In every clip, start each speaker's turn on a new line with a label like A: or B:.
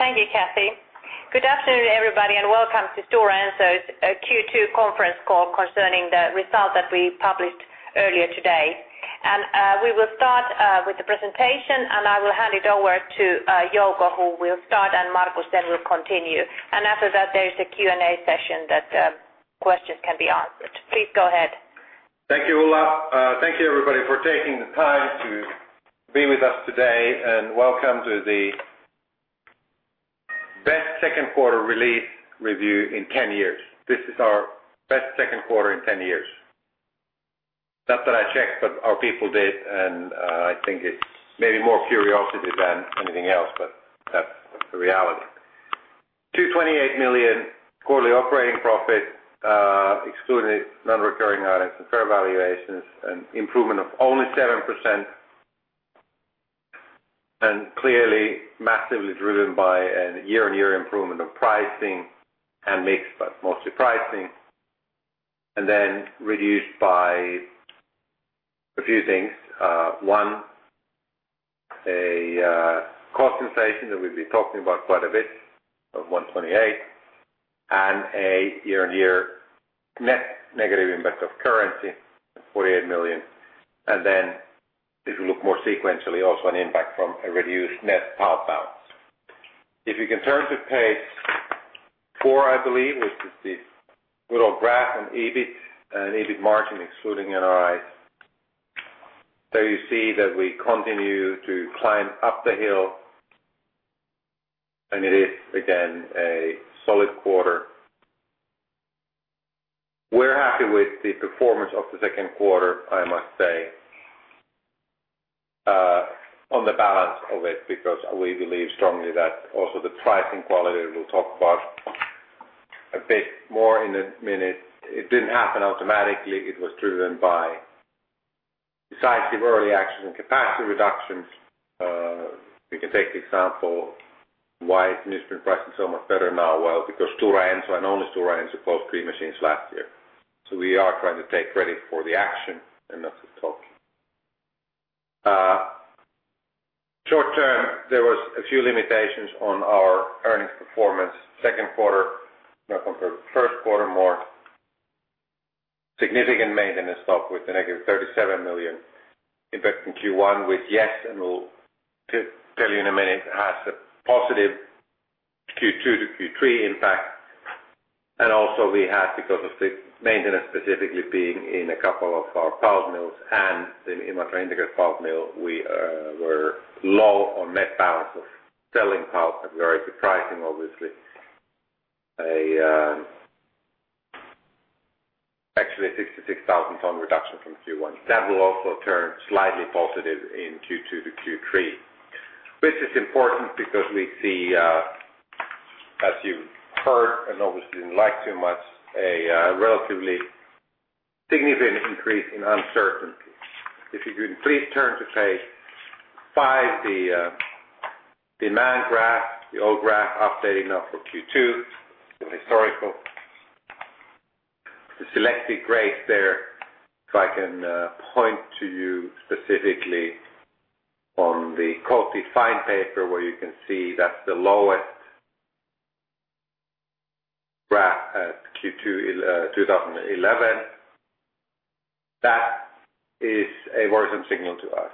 A: Thank you, Cathy. Good afternoon, everybody, and welcome to Stora Enso's Q2 conference call concerning the results that we published earlier today. We will start with the presentation, and I will hand it over to Jouko, who will start, and Markus then will continue. After that, there is a Q&A session where questions can be answered. Please go ahead.
B: Thank you, Ulla. Thank you, everybody, for taking the time to be with us today, and welcome to the best second-quarter release review in 10 years. This is our best second quarter in 10 years. Not that I checked, but our people did, and I think it's maybe more curiosity than anything else, but that's the reality. 228 million quarterly operating profit, excluding non-recurring items and fair valuations, an improvement of only 7%, and clearly massively driven by a year-on-year improvement of pricing and mix, but mostly pricing, and then reduced by a few things. One, a compensation that we've been talking about quite a bit, of 128 million, and a year-on-year net negative impact of currency, 48 million. If you look more sequentially, also an impact from a reduced net power balance. If you can turn to page four, I believe, which is this little graph, an EBIT and EBIT margin excluding non-recurring items, there you see that we continue to climb up the hill, and it is again a solid quarter. We're happy with the performance of the second quarter, I must say, on the balance of it because we believe strongly that also the pricing quality that we'll talk about a bit more in a minute. It didn't happen automatically. It was driven by, besides the early action and capacity reductions, you can take the example of why newsprint pricing is so much better now. Because Stora Enso and only Stora Enso closed three machines last year. We are trying to take credit for the action, and that's what's talking. Short term, there were a few limitations on our earnings performance second quarter, now compared to the first quarter more. Significant maintenance stop with a negative 37 million impact in Q1, which, yes, and we'll tell you in a minute, it has a positive Q2 to Q3 impact. We had, because of the maintenance specifically being in a couple of our pallet mills and the Imatra integrated pallet mill, we were low on net balance of selling pallets, but very good pricing, obviously. Actually, 66,000 ton reduction from Q1. That will also turn slightly positive in Q2 to Q3. This is important because we see, as you heard, and obviously didn't like too much, a relatively significant increase in uncertainties. If you can please turn to page five, the demand graph, the old graph, updating now for Q2, the historical. The selected grades there, if I can point to you specifically on the quality fine paper where you can see that's the lowest graph at Q2 2011. That is a worrisome signal to us.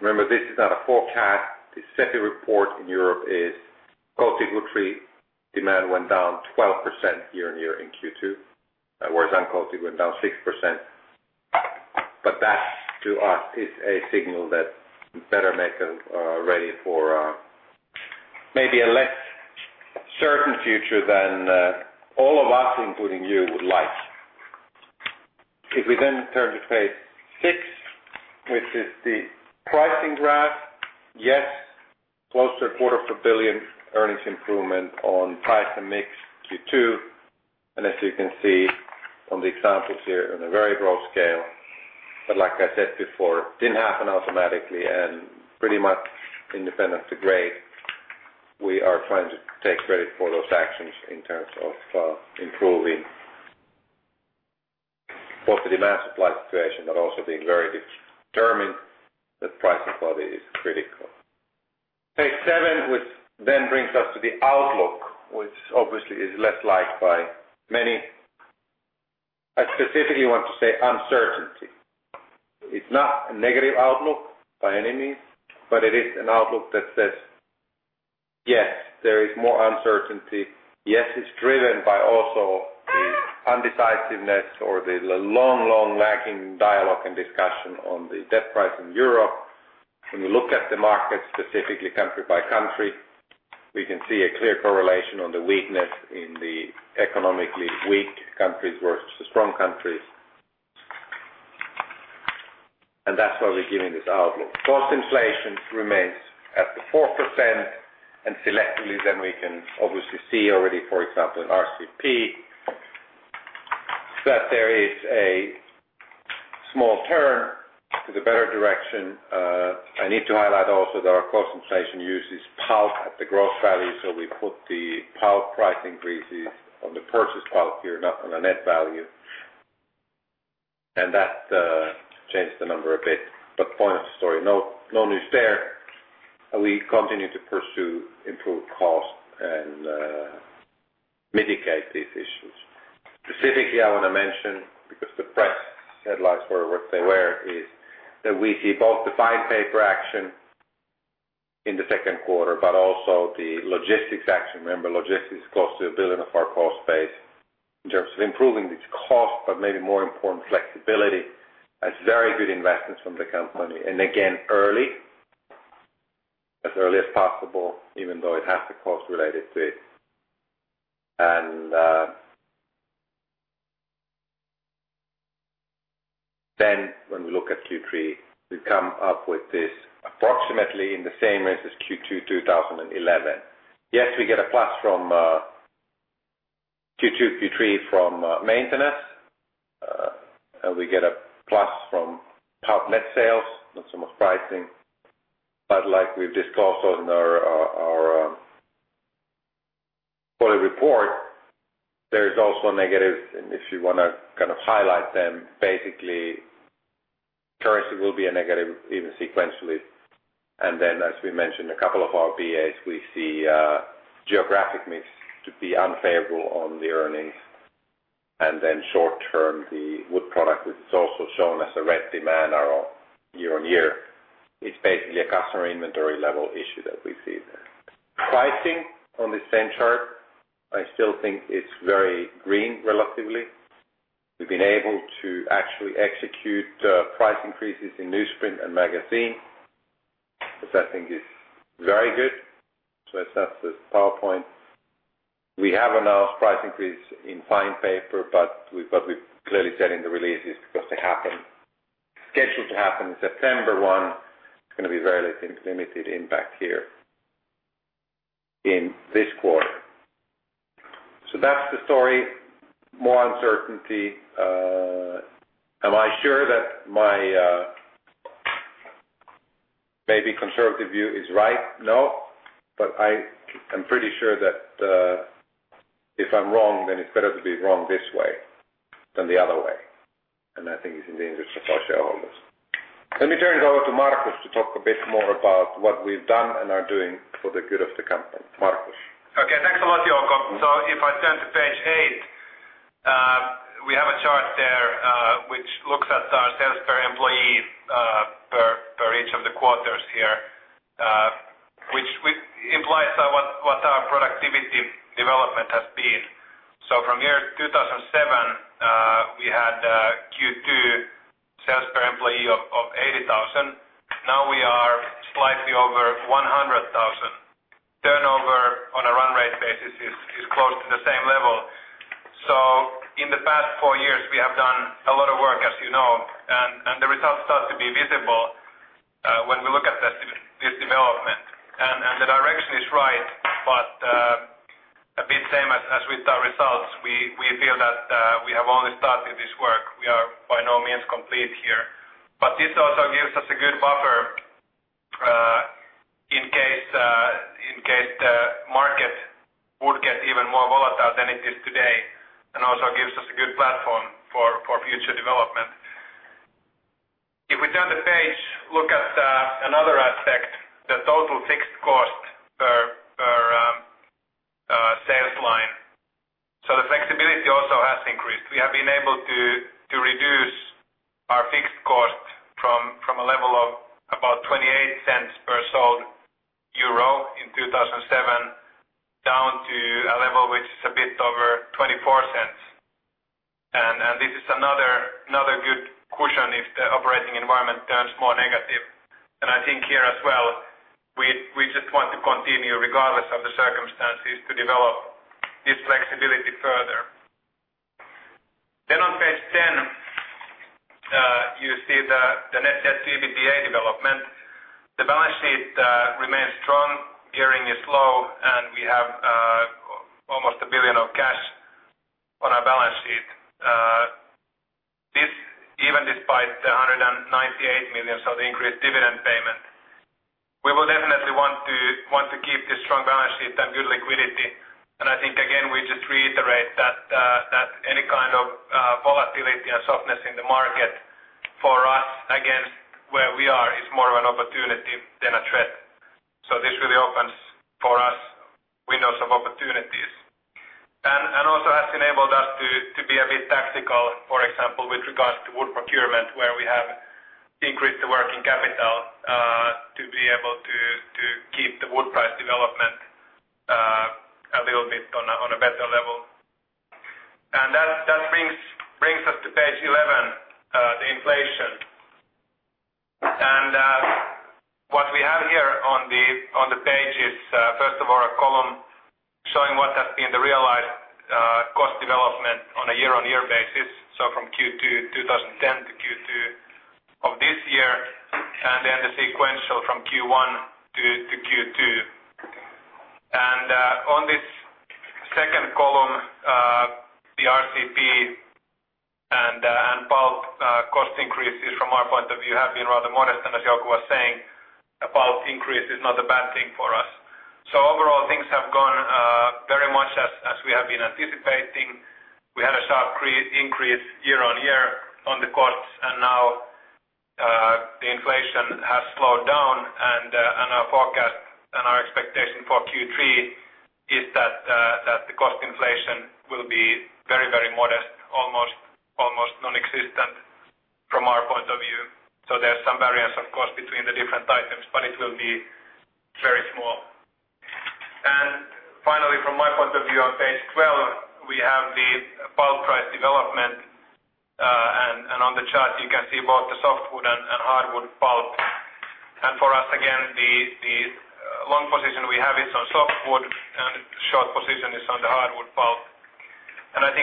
B: Remember, this is not a forecast. The Steffi report in Europe is quality guttery. Demand went down 12% year-on-year in Q2, whereas unquality went down 6%. To us, that is a signal that we better make them ready for maybe a less certain future than all of us, including you, would like. If we then turn to page six, which is the pricing graph, yes, closer quarter for billion earnings improvement on price and mix Q2. As you can see on the examples here on a very broad scale, like I said before, it did not happen automatically, and pretty much independent of the grade, we are trying to take credit for those actions in terms of improving both the demand-supply situation, but also being very determined that price and quality is critical. Page seven, which then brings us to the outlook, which obviously is less liked by many. I specifically want to say uncertainty. It is not a negative outlook by any means, but it is an outlook that says, yes, there is more uncertainty. Yes, it is driven by also the undecisiveness or the long, long lacking dialogue and discussion on the debt price in Europe. When we look at the markets, specifically country by country, we can see a clear correlation on the weakness in the economically weak countries versus the strong countries. That is why we are giving this outlook. Post-inflation remains at the 4%, and selectively, then we can obviously see already, for example, in RCP, that there is a small turn to the better direction. I need to highlight also that our closed inflation uses pallets at the gross value, so we put the pallet price increases on the purchase pallet here, not on a net value. That changed the number a bit. The point of the story, no news there. We continue to pursue improved cost and mitigate these issues. Specifically, I want to mention, because the press headlines were what they were, is that we see both the fine paper action in the second quarter, but also the logistics action. Remember, logistics costs a billion of our cost base in terms of improving this cost, but maybe more important, flexibility. That is very good investments from the company. Again, early, as early as possible, even though it has the cost related to it. When we look at Q3, we come up with this approximately in the same range as Q2 2011. Yes, we get a plus from Q2 Q3 from maintenance, and we get a plus from pallet net sales, not so much pricing. Like we've discussed also in our quarterly report, there is also a negative, and if you want to kind of highlight them, basically, currency will be a negative even sequentially. As we mentioned, a couple of RBAs, we see geographic mix to be unfavorable on the earnings. Short term, the wood product, which is also shown as a red demand arrow year on year, is basically a customer inventory level issue that we see there. Pricing on the same chart, I still think it's very green relatively. We've been able to actually execute price increases in newsprint and magazine, which I think is very good. If that's the PowerPoint, we have announced price increase in fine paper, but what we've clearly said in the release is because they are scheduled to happen on September 1, it's going to be very limited impact here in this quarter. That's the story. More uncertainty. Am I sure that my maybe conservative view is right? No, but I am pretty sure that if I'm wrong, then it's better to be wrong this way than the other way. I think it's in the interest of our shareholders. Let me turn it over to Markus to talk a bit more about what we've done and are doing for the good of the company. Markus.
C: Okay. Thanks a lot, Jouko. If I turn to page eight, we have a chart there which looks at our sales per employee per each of the quarters here, which implies what our productivity development has been. From year 2007, we had Q2 sales per employee of 80,000. Now we are slightly over 100,000. Turnover on a run rate basis is close to the same level. In the past four years, we have done a lot of work, as you know. The results start to be visible when we look at this development. The direction is right, but a bit same as with our results. We feel that we have only started this work. We are by no means complete here. This also gives us a good buffer in case the market would get even more volatile than it is today, and also gives us a good platform for future development. If we turn the page, look at another aspect, the total fixed cost per sales line. The flexibility also has increased. We have been able to reduce our fixed cost from a level of about 0.28 per sold euro in 2007 down to a level which is a bit over €0.24. This is another good cushion if the operating environment turns more negative. I think here as well, we just want to continue, regardless of the circumstances, to develop this flexibility further. On page 10, you see the net debt to EBITDA development. The balance sheet remains strong. Gearing is low, and we have almost 1 billion of cash on our balance sheet. This even despite the 198 million of the increased dividend payment. We will definitely want to keep this strong balance sheet and good liquidity. I think, again, we just reiterate that any kind of volatility and softness in the market for us against where we are is more of an opportunity than a threat. This really opens for us windows of opportunities. It also has enabled us to be a bit tactical, for example, with regards to wood procurement, where we have increased the working capital to be able to keep the wood price development a little bit on a better level. That brings us to page 11, the inflation. What we have here on the page is, first of all, a column showing what has been the realized cost development on a year-on-year basis. From Q2 2010 to Q2 of this year, and then the sequential from Q1 to Q2. On this second column, the RCP and pallet cost increases, from our point of view, have been rather modest, and as Jouko was saying, a pallet increase is not a bad thing for us. Overall, things have gone very much as we have been anticipating. We had a sharp increase year on year on the costs, and now the inflation has slowed down. Our forecast and our expectation for Q3 is that the cost inflation will be very, very modest, almost nonexistent from our point of view. There is some variance, of course, between the different items, but it will be very small. Finally, from my point of view, on page 12, we have the pallet price development. On the chart, you can see both the softwood and hardwood pallet. For us, again, the long position we have is on softwood, and the short position is on the hardwood pallet.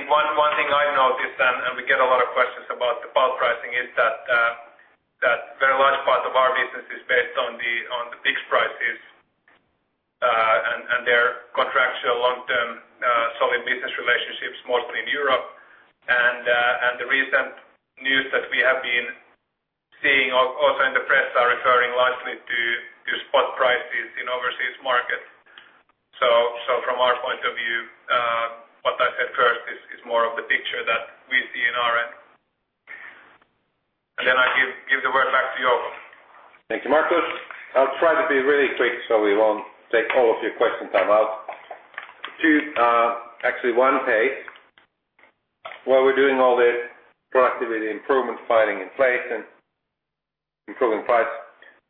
C: One thing I've noticed, and we get a lot of questions about the pallet pricing, is that a very large part of our business is based on the fixed prices and their contractual, long-term, solid business relationships, mostly in Europe. The recent news that we have been seeing also in the press are referring largely to spot prices in overseas markets. From our point of view, what I said first is more of the picture that we see in our end. I give the word back to Jouko.
B: Thank you, Markus. I'll try to be really quick so we won't take all of your questions out loud. A few, actually, one page. While we're doing all the productivity improvement, fighting inflation, improving price,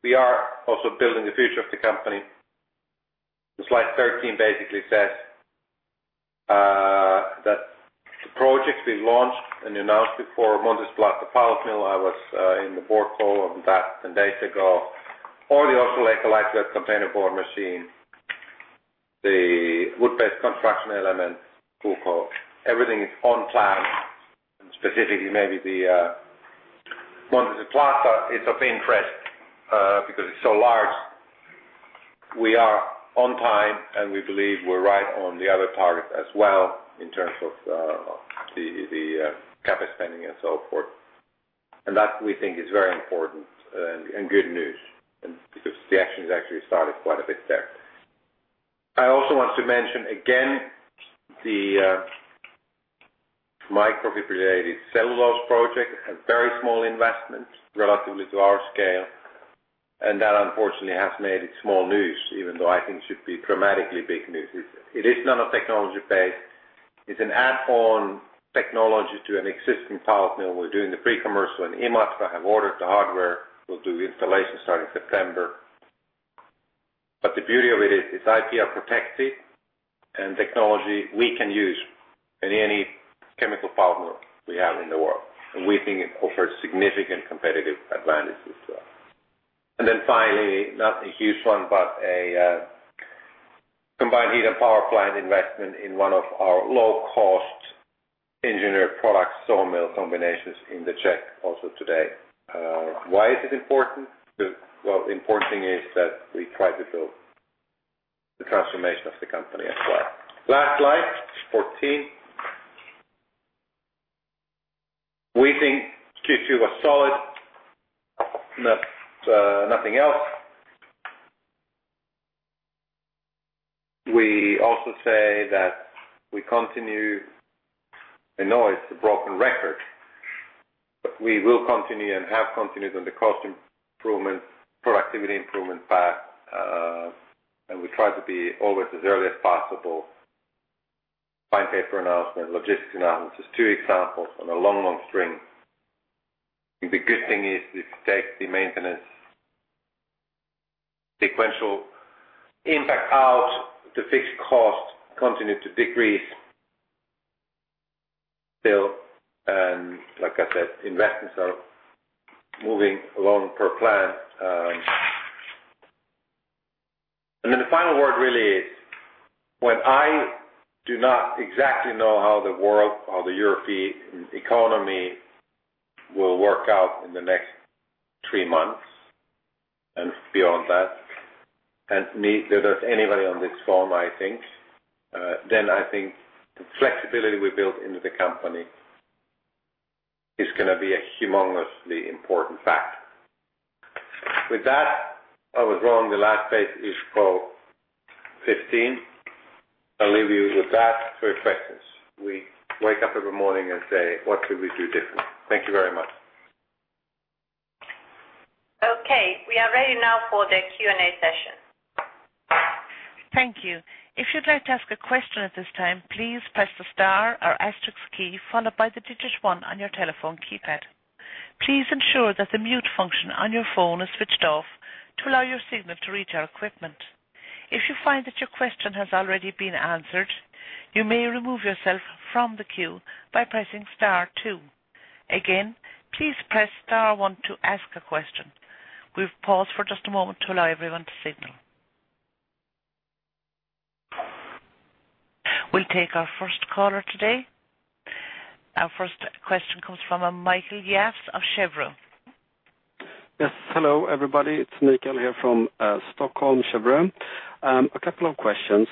B: we are also building the future of the company. Slide 13 basically says that the projects we launched and announced before, Mondi Świecie, the pallet mill, I was in the board call on that 10 days ago, or the ultra-light containerboard machine, the wood-based construction element, Kuko. Everything is on plan. Specifically, maybe the Mondi Świecie is of interest because it's so large. We are on time, and we believe we're right on the other targets as well in terms of the capital spending and so forth. That we think is very important and good news because the action has actually started quite a bit there. I also want to mention again the microfibrillated cellulose project, a very small investment relatively to our scale. That, unfortunately, has made it small news, even though I think it should be dramatically big news. It is not a technology base. It's an add-on technology to an existing pallet mill. We're doing the pre-commercial, and Imatra have ordered the hardware. We'll do installation starting in September. The beauty of it is this idea protects it and technology we can use in any chemical pallet mill we have in the world. We think it offers significant competitive advantages to us. Finally, not a huge one, but a combined heat and power plant investment in one of our low-cost engineered products, sawmill combinations in the Czech also today. Why is it important? The important thing is that we try to build the transformation of the company as well. Last slide, 14. We think Q2 was solid, nothing else. We also say that we continue. I know it's a broken record. We will continue and have continued on the cost improvement, productivity improvement path. We try to be always as early as possible. Fine paper announcement, logistics announcements, two examples on a long, long string. The good thing is this daily maintenance sequential impact out, the fixed cost continues to decrease. Still, like I said, investments are moving along per plan. The final word really is when I do not exactly know how the world, how the European economy will work out in the next three months and beyond that, and neither does anybody on this phone, I think, then I think the flexibility we build into the company is going to be a humongously important fact. With that, I was wrong. The last page is for 15. I'll leave you with that for questions. We wake up every morning and say, what do we do differently? Thank you very much.
A: Okay, we are ready now for the Q&A session.
D: Thank you. If you'd like to ask a question at this time, please press the star or asterisk key followed by the digit one on your telephone keypad. Please ensure that the mute function on your phone is switched off to allow your signal to reach our equipment. If you find that your question has already been answered, you may remove yourself from the queue by pressing star two. Again, please press star one to ask a question. We'll pause for just a moment to allow everyone to signal. We'll take our first caller today. Our first question comes from [Mikael Jass] of Chevron. Yes. Hello, everybody. It's [Mikael] here from Stockholm, Chevron. A couple of questions.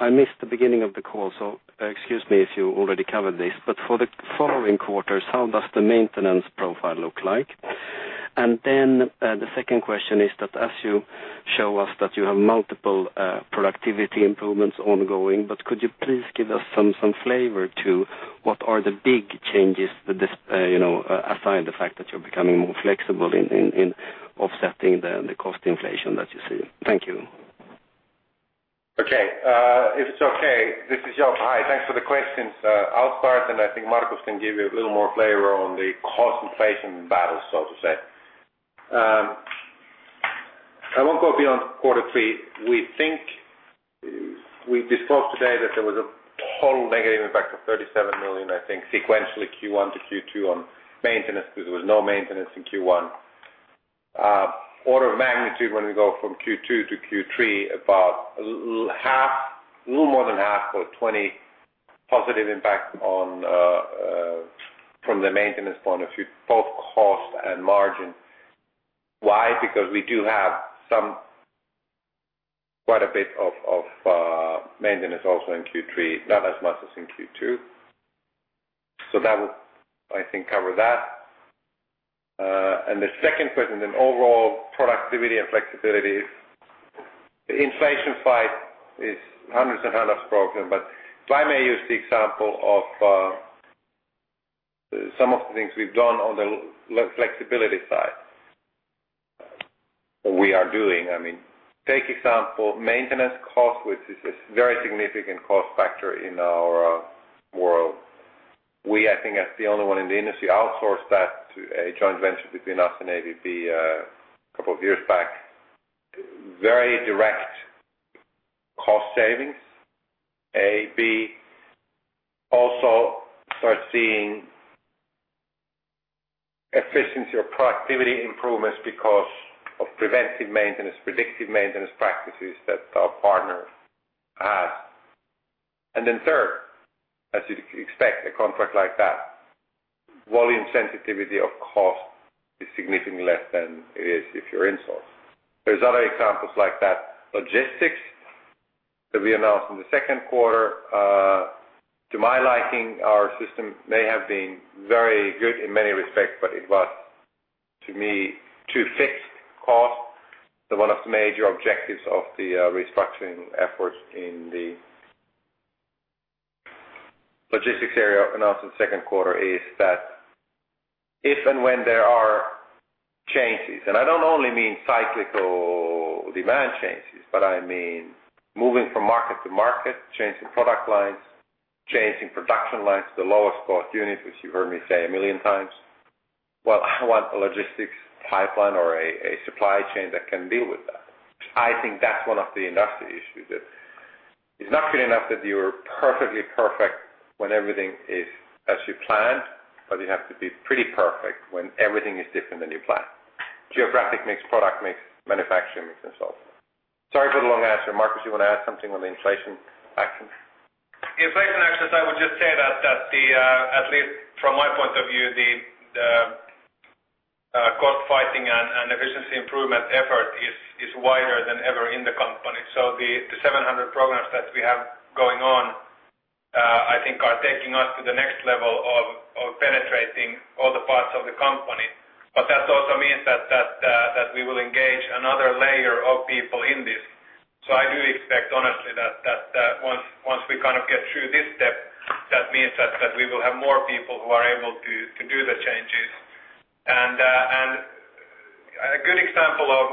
D: I missed the beginning of the call, so excuse me if you already covered this, but for the following quarters, how does the maintenance profile look like? The second question is that as you show us that you have multiple productivity improvements ongoing, could you please give us some flavor to what are the big changes aside the fact that you're becoming more flexible in offsetting the cost inflation that you see? Thank you.
B: Okay. If it's okay, this is Jouko. Hi. Thanks for the questions. I'll start, and I think Markus can give you a little more flavor on the cost inflation battle, so to say. I won't go beyond quarter three. We think we discussed today that there was a total negative impact of 37 million, I think, sequentially Q1 to Q2 on maintenance because there was no maintenance in Q1. Order of magnitude, when we go from Q2 to Q3, about a little half, a little more than half, or 20 million positive impact on from the maintenance point of view, both cost and margin. Why? Because we do have quite a bit of maintenance also in Q3, not as much as in Q2. That will, I think, cover that. The second question, then overall productivity and flexibility, the inflation side is hundreds and hundreds of progress. If I may use the example of some of the things we've done on the flexibility side, or we are doing, I mean, take example maintenance cost, which is a very significant cost factor in our world. We, I think, as the only one in the industry, outsourced that to a joint venture between us and ABB a couple of years back. Very direct cost savings. ABB also foreseeing efficiency or productivity improvements because of preventive maintenance, predictive maintenance practices that our partner has. Third, as you'd expect, a contract like that, volume sensitivity of cost is significantly less than it is if you're insourced. There are other examples like that. Logistics that we announced in the second quarter, to my liking, our system may have been very good in many respects, but it was, to me, too fixed cost. One of the major objectives of the restructuring efforts in the logistics area announced in the second quarter is that if and when there are changes, and I don't only mean cyclical demand changes, but I mean moving from market to market, changing product lines, changing production lines to the lowest cost unit, which you've heard me say a million times. I want a logistics pipeline or a supply chain that can deal with that. I think that's one of the industry issues that it's not good enough that you're perfectly perfect when everything is as you planned, but you have to be pretty perfect when everything is different than you planned. Geographic mix, product mix, manufacturing mix, and so forth. Sorry for the long answer. Markus, you want to add something on the inflation action?
C: Inflation actions, I would just say that, at least from my point of view, the cost fighting and efficiency improvement effort is wider than ever in the company. The 700 programs that we have going on, I think, are taking us to the next level of penetrating all the parts of the company. That also means that we will engage another layer of people in this. I do expect, honestly, that once we kind of get through this step, that means we will have more people who are able to do the changes. A good example of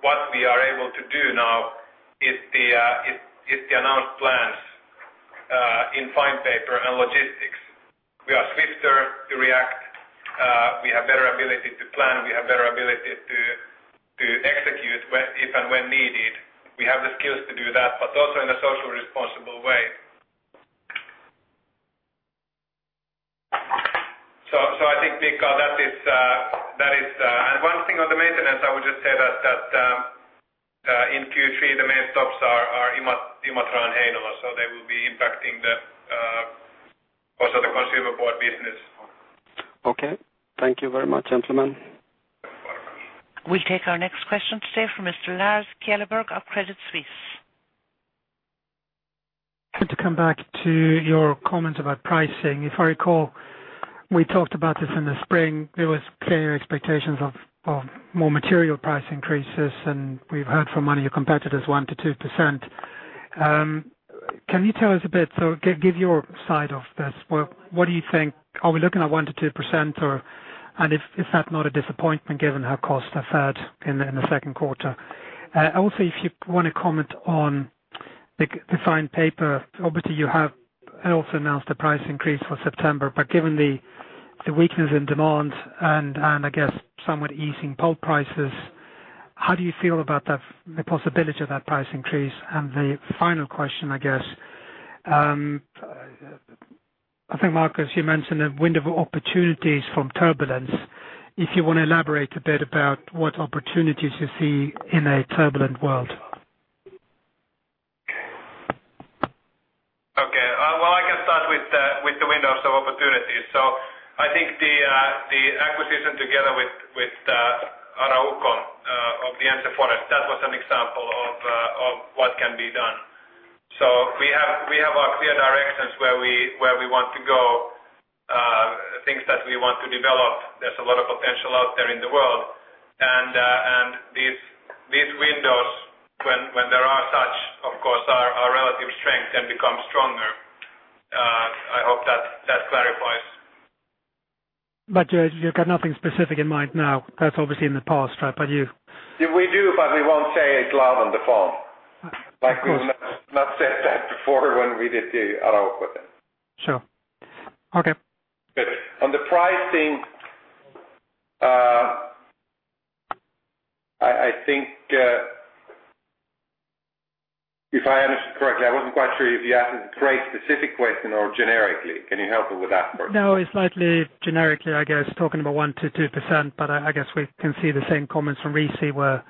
C: what we are able to do now is the announced plans in fine paper and logistics. We are swifter to react. We have better ability to plan. We have better ability to execute if and when needed. We have the skills to do that, but also in a socially responsible way. I think, [Mikael], that is, and one thing on the maintenance, I would just say that in Q3, the main stops are Imatra and Heinola. They will be impacting also the consumer board business. Okay, thank you very much, gentlemen.
D: We'll take our next question today from Mr. Lars Kjellberg of Credit Suisse.
E: Good to come back to your comments about pricing. If I recall, we talked about this in the spring. There were clear expectations of more material price increases, and we've heard from one of your competitors, 1%-2%. Can you tell us a bit, so give your side of this? What do you think? Are we looking at 1%-2%, or? Is that not a disappointment given how costs have had in the second quarter? Also, if you want to comment on the fine paper, obviously, you have also announced a price increase for September. Given the weakness in demand and, I guess, somewhat easing pallet prices, how do you feel about the possibility of that price increase? The final question, I guess, I think, Markus, you mentioned a window of opportunities from turbulence. If you want to elaborate a bit about what opportunities you see in a turbulent world.
C: Okay. I can start with the window of opportunities. I think the Angus isn't together with ARAUCO of the Anza Forest. That was an example of what can be done. We have our clear directions where we want to go, things that we want to develop. There's a lot of potential out there in the world. These windows, when there are such, of course, are relative strengths and become stronger. I hope that clarifies.
E: You've got nothing specific in mind now. That's obviously in the past, right? You.
B: We do, but we won't say it loud on the phone. Like we've not said that before when we did the ARAUCO.
E: Sure. Okay.
B: Good. On the pricing, I think, if I understood correctly, I wasn't quite sure if you asked a very specific question or generically. Can you help me with that?
E: No, it's slightly generically, I guess, talking about 1%-2%. I guess we can see the same comments from RISI where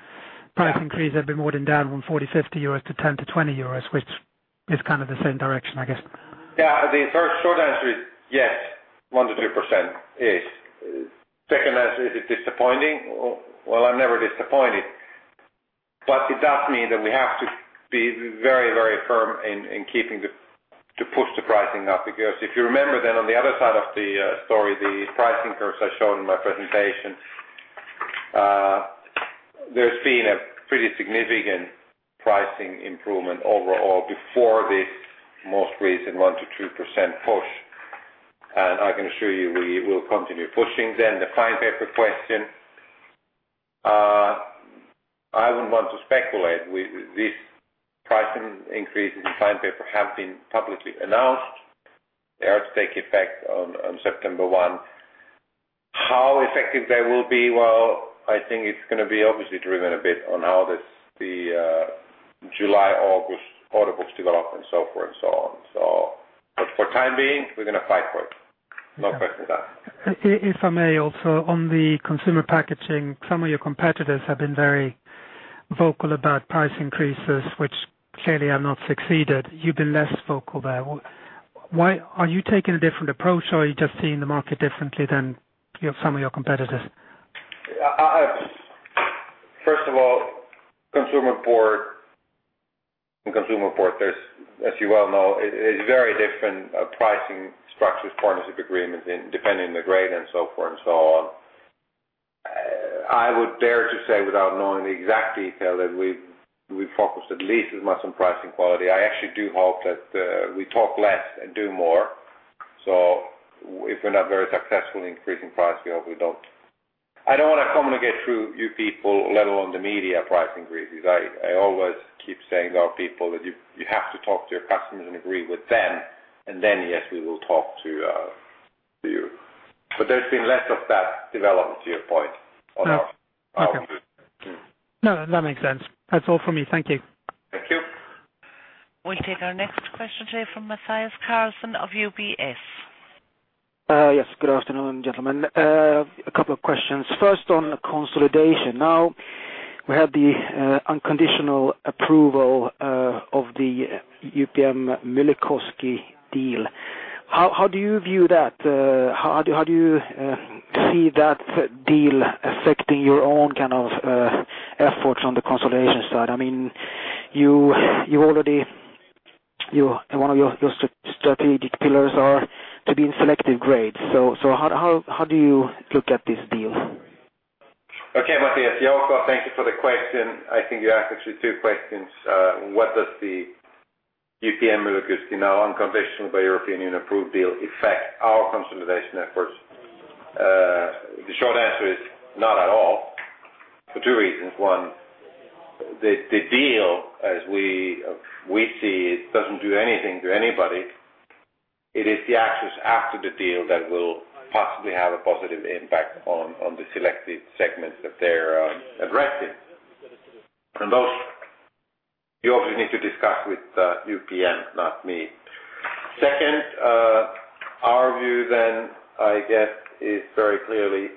E: price increases have been more than down from 40-50 euros or 10-20 euros, which is kind of the same direction, I guess.
B: Yeah. The first short answer is yes, 1%-2%. The second answer is it's disappointing. I'm never disappointed, but it does mean that we have to be very, very firm in keeping to push the pricing up. Because if you remember, on the other side of the story, the pricing curves I showed in my presentation, there's been a pretty significant pricing improvement overall before this most recent 1 to 2% push. I can assure you we will continue pushing. The fine paper question, I wouldn't want to speculate. This pricing increase in fine paper has been publicly announced. They are to take effect on September 1. How effective they will be, I think it's going to be obviously driven a bit on how the July-August auditable development, so forth and so on. For the time being, we're going to fight for it.
E: If I may, also, on the consumer packaging, some of your competitors have been very vocal about price increases, which clearly have not succeeded. You've been less vocal there. Why are you taking a different approach? Are you just seeing the market differently than some of your competitors?
B: First of all, consumer board, and consumer board, as you well know, has very different pricing structures, partnership agreements, depending on the grade and so forth. I would bear to say, without knowing the exact detail, that we've focused at least as much on pricing quality. I actually do hope that we talk less and do more. If we're not very successful in increasing price, we hope we don't. I don't want to communicate through you people, let alone the media, price increases. I always keep saying there are people that you have to talk to your customers and agree with them. Yes, we will talk to you. There's been less of that development to your point.
E: No. Okay, no, that makes sense. That's all for me. Thank you.
D: We'll take our next question today from Mathias Carlson of UBS.
F: Yes. Good afternoon, gentlemen. A couple of questions. First on consolidation. Now, we had the unconditional approval of the UPM-Myllykoski deal. How do you view that? How do you see that deal affecting your own kind of efforts on the consolidation side? I mean, you're already one of your strategic pillars to be in selective grade. How do you look at this deal?
B: Okay, Mathias. Jouko, thank you for the question. I think you asked actually two questions. What does the UPM-Myllykoski now unconditional by European Union approved deal affect our consolidation efforts? The short answer is not at all for two reasons. One, the deal, as we see it, doesn't do anything to anybody. It is the actions after the deal that will possibly have a positive impact on the selected segments that they're addressing. You obviously need to discuss with UPM, not me. Second, our view then, I guess, is very clearly,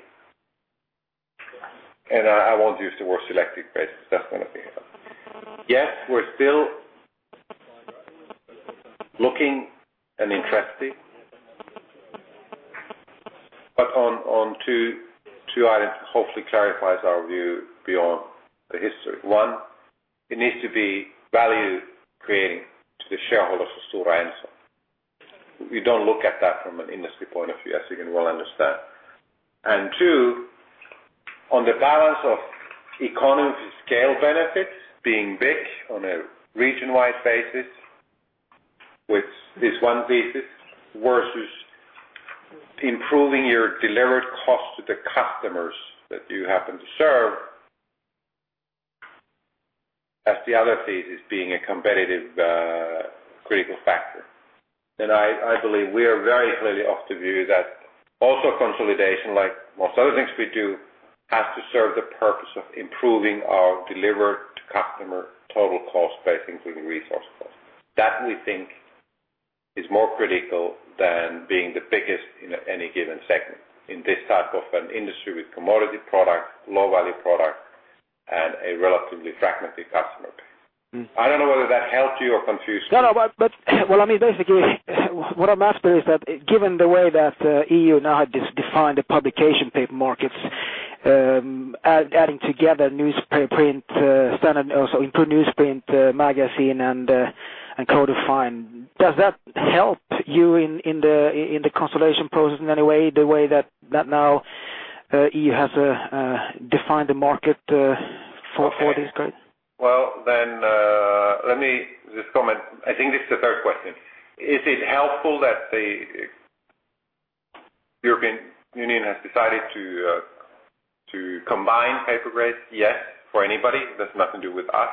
B: and I won't use the word selected basis. That's going to be it. Yes, we're still looking and interested, but on two items, hopefully clarifies our view beyond the history. One, it needs to be value creating to the shareholders for Stora Enso. You don't look at that from an industry point of view, as you can well understand. Two, on the balance of economy scale benefits being big on a region-wide basis, which is one thesis versus improving your delivered cost to the customers that you happen to serve, as the other thesis being a competitive critical factor. I believe we are very clearly of the view that also consolidation, like most other things we do, has to serve the purpose of improving our delivered customer total cost, basically giving resource cost. We think that is more critical than being the biggest in any given segment in this type of an industry with commodity products, low-value products, and a relatively fragmented customer base. I don't know whether that helped you or confused you.
F: I mean, basically, what I'm after is that given the way that EU now had defined the publication paper markets, adding together newsprint standard also into newsprint magazine and codifying, does that help you in the consolidation process in any way, the way that now you have defined the market for this grade?
B: Let me just comment. I think this is the third question. Is it helpful that the European Union has decided to combine paper grade? Yes, for anybody. It doesn't have to do with us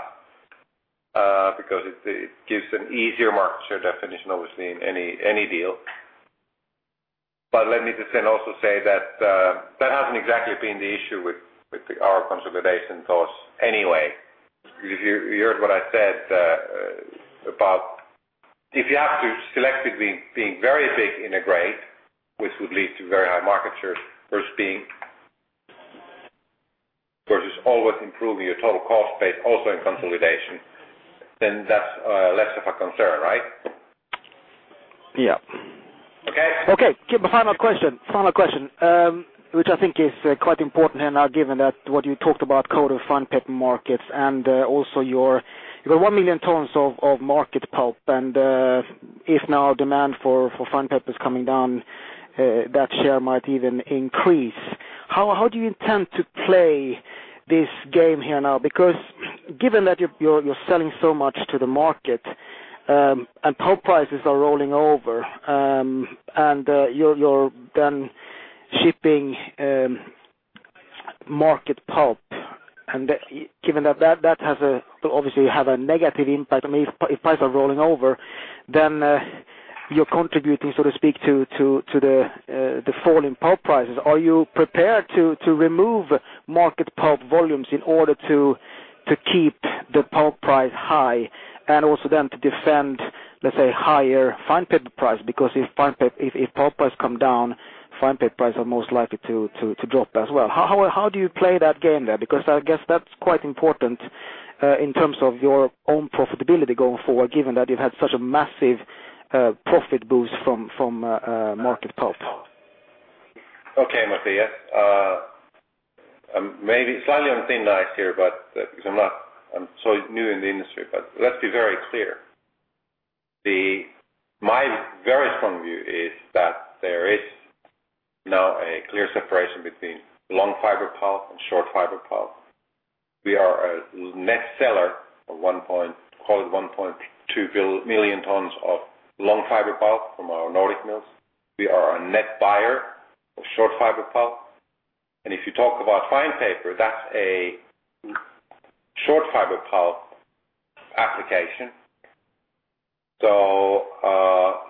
B: because it gives an easier market share definition, obviously, in any deal. Let me just also say that that hasn't exactly been the issue with our consolidation thoughts anyway. If you heard what I said about if you have to select between being very big in a grade, which would lead to very high market shares versus always improving your total cost base also in consolidation, then that's less of a concern, right?
F: Yeah.
B: Okay.
F: Okay. Final question. Final question, which I think is quite important here now, given that what you talked about, code of fine paper markets, and also you've got 1 million tons of market pulp. If now demand for fine paper is coming down, that share might even increase. How do you intend to play this game here now? Given that you're selling so much to the market and pulp prices are rolling over, and you're then shipping market pulp, and given that that has obviously had a negative impact on me if prices are rolling over, you're contributing, so to speak, to the fall in pulp prices. Are you prepared to remove market pulp volumes in order to keep the pulp price high and also then to defend, let's say, higher fine paper price? If pulp price comes down, fine paper price are most likely to drop as well. How do you play that game there? I guess that's quite important in terms of your own profitability going forward, given that you've had such a massive profit boost from market pulp.
B: Okay, Matthias. I'm maybe slightly on thin ice here because I'm not so new in the industry, but let's be very clear. My very strong view is that there is now a clear separation between long-fiber pulp and short-fiber pulp. We are a net seller of, call it, 1.2 million tons of long-fiber pulp from our Nordic mills. We are a net buyer of short-fiber pulp. If you talk about fine paper, that's a short-fiber pulp application.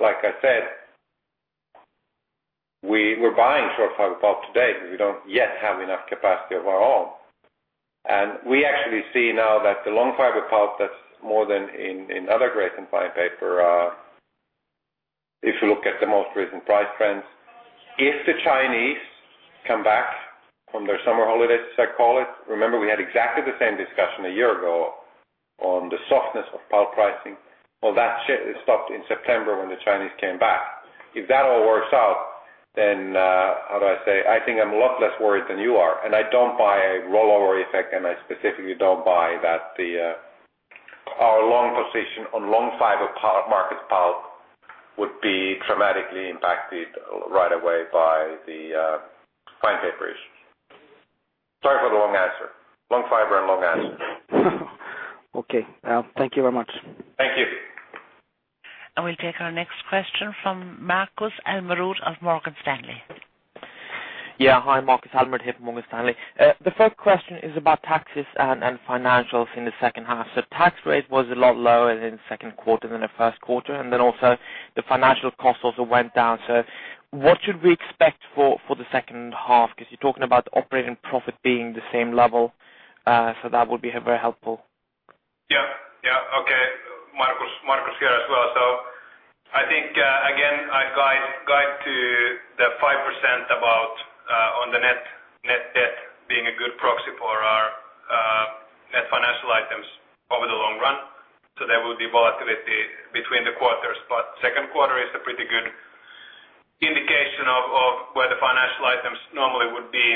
B: Like I said, we're buying short-fiber pulp today because we don't yet have enough capacity of our own. We actually see now that the long-fiber pulp, that's more than in other grades in fine paper. If you look at the most recent price trends, if the Chinese come back from their summer holidays, as I call it, remember we had exactly the same discussion a year ago on the softness of pulp pricing. That shift stopped in September when the Chinese came back. If that all works out, how do I say? I think I'm a lot less worried than you are. I don't buy a rollover effect, and I specifically don't buy that our long position on long-fiber market pulp would be dramatically impacted right away by the fine paper issue. Sorry for the long answer. Long fiber and long answer.
F: Okay, thank you very much.
B: Thank you.
D: We will take our next question from Markus Ormerod of Morgan Stanley.
G: Yeah. Hi, Markus Ormerod here from Morgan Stanley. The first question is about taxes and financials in the second half. The tax rate was a lot lower in the second quarter than the first quarter, and also the financial cost went down. What should we expect for the second half? You're talking about the operating profit being the same level. That would be very helpful.
C: Yeah. Yeah. Okay. Markus here as well. I think, again, I'd guide to the 5% about on the net debt being a good proxy for our net financial items over the long run. There will be volatility between the quarters, but second quarter is a pretty good indication of where the financial items normally would be.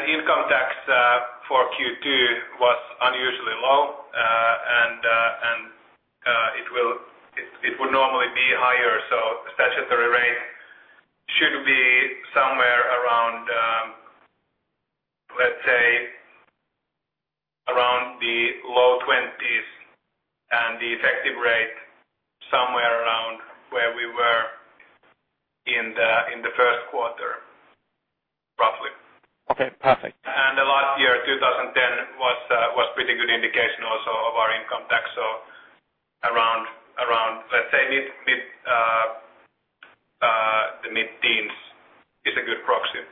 C: Income tax for Q2 was unusually low, and it would normally be higher. The statutory rate should be somewhere around, let's say, around the low 20% and the effective rate somewhere around where we were in the first quarter, roughly.
G: Okay. Perfect.
C: Last year, 2010, was a pretty good indication also of our income tax. Around, let's say, the mid-teens is a good proxy.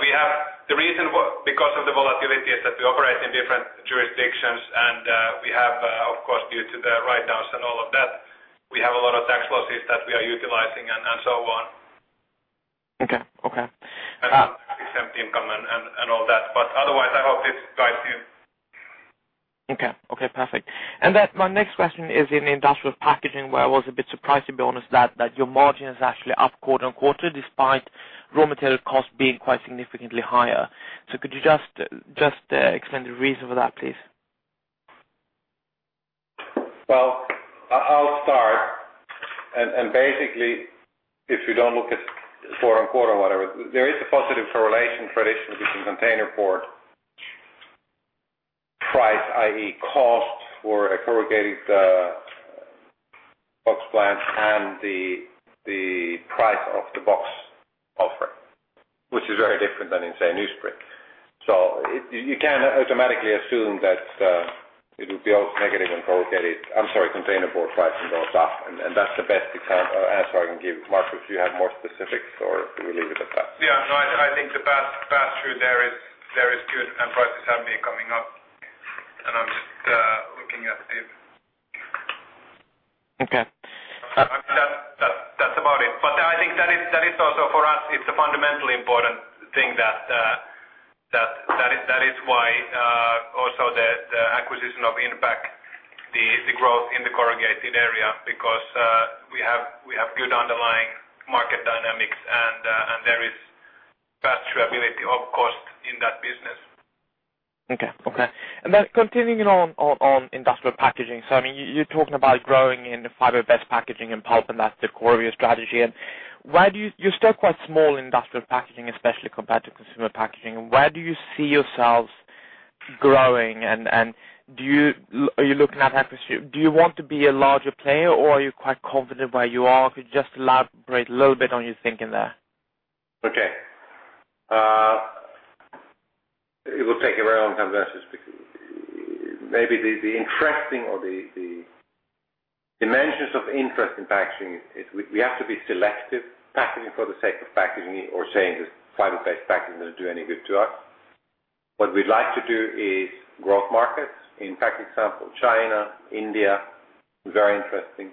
C: We have the reason because of the volatility that we operate in different jurisdictions, and we have, of course, due to the write-downs and all of that, a lot of tax losses that we are utilizing and so on.
G: Okay. Okay.
C: Income and all that. Otherwise, I hope this guides you.
G: Okay. Perfect. My next question is in industrial packaging, where I was a bit surprised, to be honest, that your margin is actually up quarter on quarter despite raw material costs being quite significantly higher. Could you just explain the reason for that, please?
B: If we don't look at the quarter on quarter or whatever, there is a positive correlation traditionally between containerboard price, i.e., cost for a corrugated box plant, and the price of the box offering, which is very different than in, say, newsprint. You can automatically assume that it would be all negative on corrugated, I'm sorry, containerboard pricing goes up. That's the best example or answer I can give. Markus, do you have more specifics, or do we leave it at that?
C: Yeah, I think the bathroom there is good, and prices have been coming up. I'm looking at it.
G: Okay.
C: I mean, that's about it. I think that is also for us, it's a fundamentally important thing. That is why also the acquisition of Impact, the growth in the corrugated area, because we have good underlying market dynamics, and there is perpetuability of cost in that business.
G: Okay. Continuing on industrial packaging, you're talking about growing in the fiber-based packaging and pulp, and that's the core of your strategy. Where do you see yourselves growing? You're still quite small in industrial packaging, especially compared to consumer packaging. Do you want to be a larger player, or are you quite confident where you are? Could you just elaborate a little bit on your thinking there?
B: Okay. It will take a very long time to answer this because maybe the interesting or the dimensions of interest in packaging is we have to be selective. Packaging for the sake of packaging or saying that fiber-based packaging doesn't do any good to us. What we'd like to do is growth markets. In fact, example, China, India, very interesting.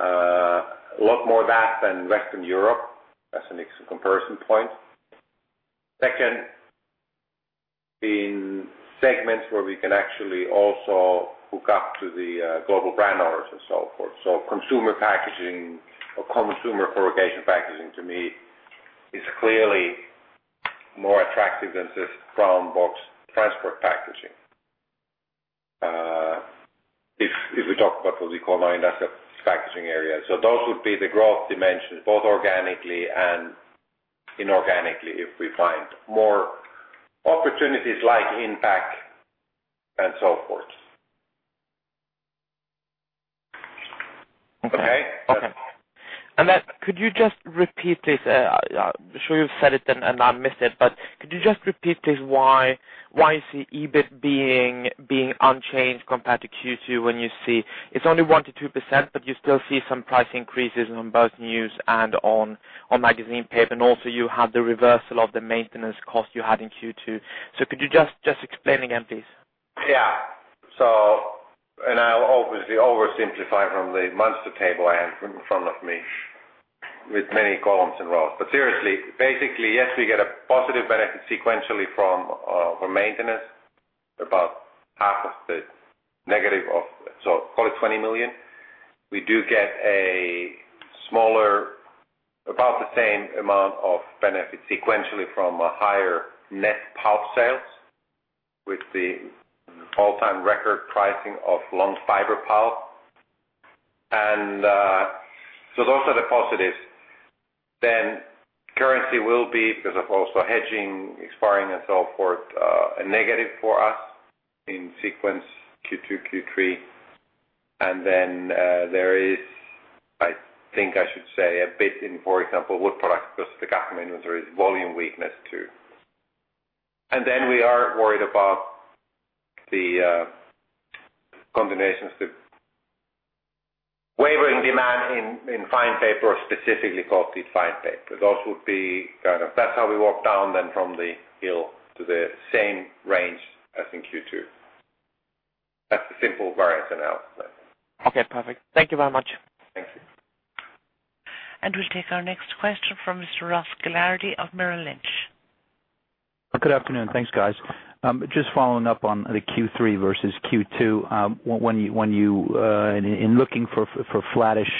B: A lot more of that than Western Europe. That's an excellent comparison point. Second, in segments where we can actually also hook up to the global brand orders and so forth. Consumer packaging or consumer corrugation packaging, to me, is clearly more attractive than just from box transport packaging. If we talk about what we call our industrial packaging area, those would be the growth dimensions, both organically and inorganically, if we find more opportunities like Impact and so forth.
G: Okay. Could you just repeat, please, I'm sure you've said it and I missed it, but could you just repeat, please, why you see EBIT being unchanged compared to Q2 when you see it's only 1%-2%, but you still see some price increases on both news and on magazine paper, and also you had the reversal of the maintenance cost you had in Q2. Could you just explain again, please?
B: Yeah. I'll obviously oversimplify from the monster table I have in front of me with many columns and rows. Seriously, basically, yes, we get a positive benefit sequentially from our maintenance, about half the negative of, so call it 20 million. We do get a smaller, about the same amount of benefit sequentially from a higher net pulp sales with the all-time record pricing of long-fiber pulp. Those are the positives. Currency will be, because of also hedging, expiring, and so forth, a negative for us in sequence Q2, Q3. There is, I think I should say, a bit in, for example, wood products because the government uses volume weakness too. We are worried about the combinations to wavering demand in fine paper or specifically coated fine paper. Those would be kind of that's how we walk down then from the yield to the same range as in Q2. That's the simple variance analysis.
G: Okay. Perfect. Thank you very much.
D: We will take our next question from Mr. Ross Gilardi of Merrill Lynch.
H: Good afternoon. Thanks, guys. Just following up on the Q3 versus Q2. When you're looking for flattish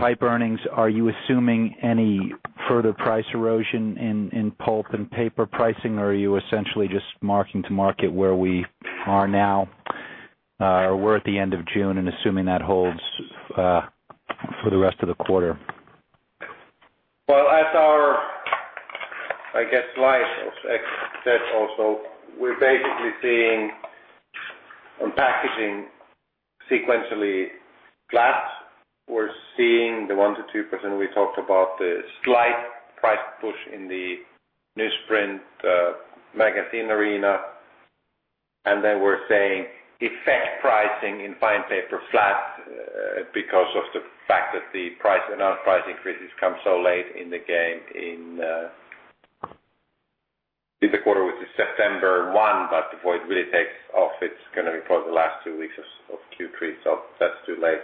H: type earnings, are you assuming any further price erosion in pulp and paper pricing, or are you essentially just marking to market where we are now, or we're at the end of June and assuming that holds for the rest of the quarter?
B: At our, I guess, slice of XZ also, we're basically seeing packaging sequentially flat. We're seeing the 1%-2% we talked about, the slight price push in the newsprint, the magazine arena. We're saying effect pricing in fine paper flat because of the fact that the price and our price increases come so late in the game in the quarter, which is September 1. Before it really takes off, it's going to be probably the last two weeks of Q3, that's too late.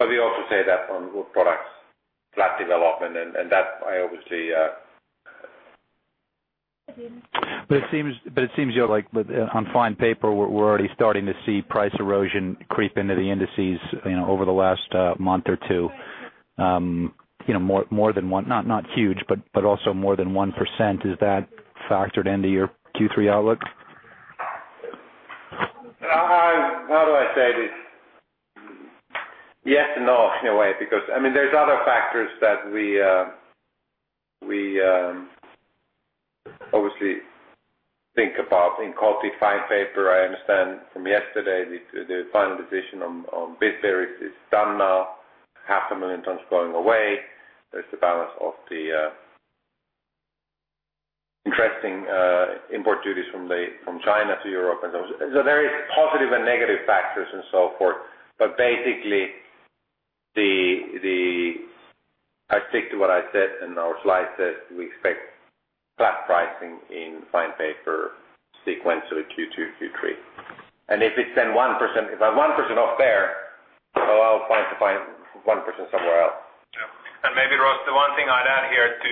B: We also say that on wood products, flat development, and that I obviously.
H: It seems you're like on fine paper, we're already starting to see price erosion creep into the indices over the last month or two. You know, more than one, not huge, but also more than 1%. Is that factored into your Q3 outlook?
B: How do I say this? Yes and no in a way because, I mean, there are other factors that we obviously think about in qualitative fine paper. I understand from yesterday the final decision on [BidVeris] is done now. Half a million tons going away. There is the balance of the interesting import duties from China to Europe. There are positive and negative factors and so forth. Basically, I stick to what I said and our slide said we expect flat pricing in fine paper sequence Q2, Q3. If it's then 1%, if I'm 1% off there, I'll find the 1% somewhere else.
C: Yeah. Maybe, Ross, the one thing I'd add here to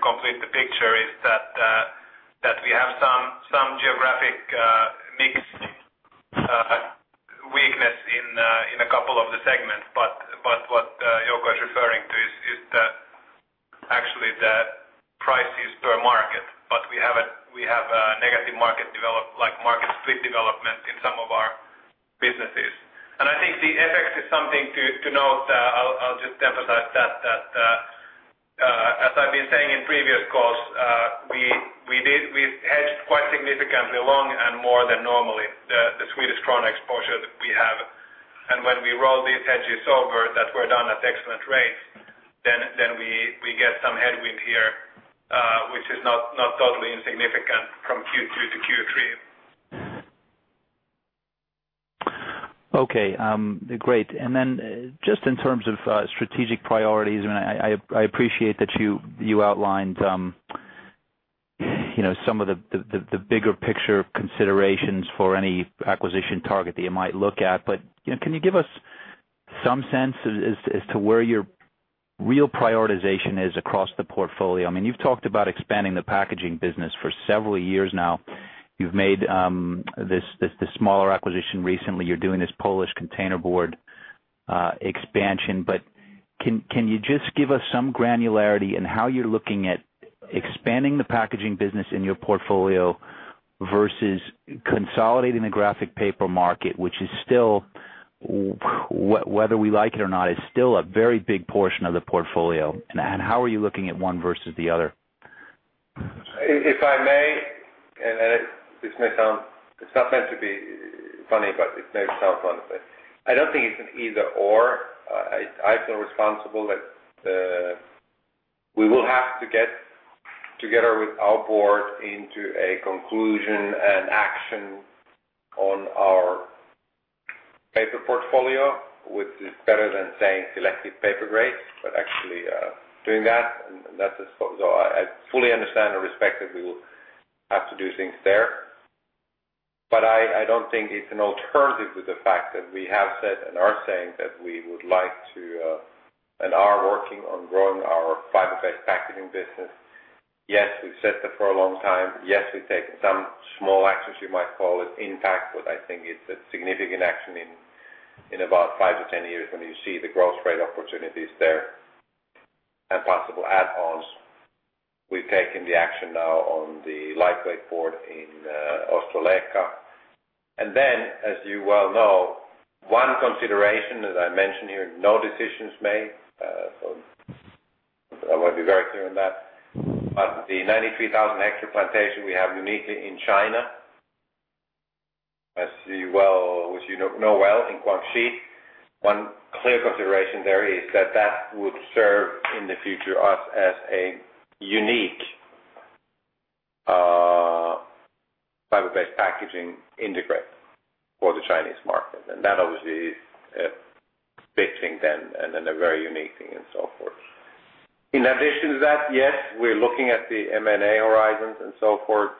C: complete the picture is that we have some geographic mix weakness in a couple of the segments. What Jouko is referring to is actually the prices per market. We have a negative market development, like market split development in some of our businesses. I think the effects are something to note. I'll just emphasize that, as I've been saying in previous calls, we hedged quite significantly long and more than normally the Swedish Krona exposure that we have. When we roll these hedges over that were done at excellent rates, we get some headwind here, which is not totally insignificant from Q2 to Q3.
H: Okay, great. In terms of strategic priorities, I appreciate that you outlined some of the bigger picture considerations for any acquisition target that you might look at. Can you give us some sense as to where your real prioritization is across the portfolio? You've talked about expanding the packaging business for several years now. You've made this smaller acquisition recently. You're doing this Polish containerboard expansion. Can you give us some granularity in how you're looking at expanding the packaging business in your portfolio versus consolidating the graphic paper market, which is still, whether we like it or not, a very big portion of the portfolio? How are you looking at one versus the other?
B: If I may, and this may sound, it's not meant to be funny, but it may sound funny, but I don't think it's an either/or. I feel responsible that we will have to get together with our board into a conclusion and action on our paper portfolio, which is better than saying selective paper grades, but actually doing that. I fully understand and respect that we will have to do things there. I don't think it's an alternative to the fact that we have said and are saying that we would like to and are working on growing our fiber-based packaging business. Yes, we've said that for a long time. Yes, we've taken some small actions, you might call it, impact, but I think it's a significant action in about 5-10 years when you see the growth rate opportunities there and possible add-ons. We've taken the action now on the lightweight board in Ostrołęka. As you well know, one consideration, as I mentioned here, is no decisions made. I want to be very clear on that. The 93,000-hectare plantation we have uniquely in China, which you know well, in Guangxi, one clear consideration there is that that would serve in the future us as a unique fiber-based packaging integrate for the Chinese market. That obviously is a big thing then and a very unique thing and so forth. In addition to that, yes, we're looking at the M&A horizons and so forth,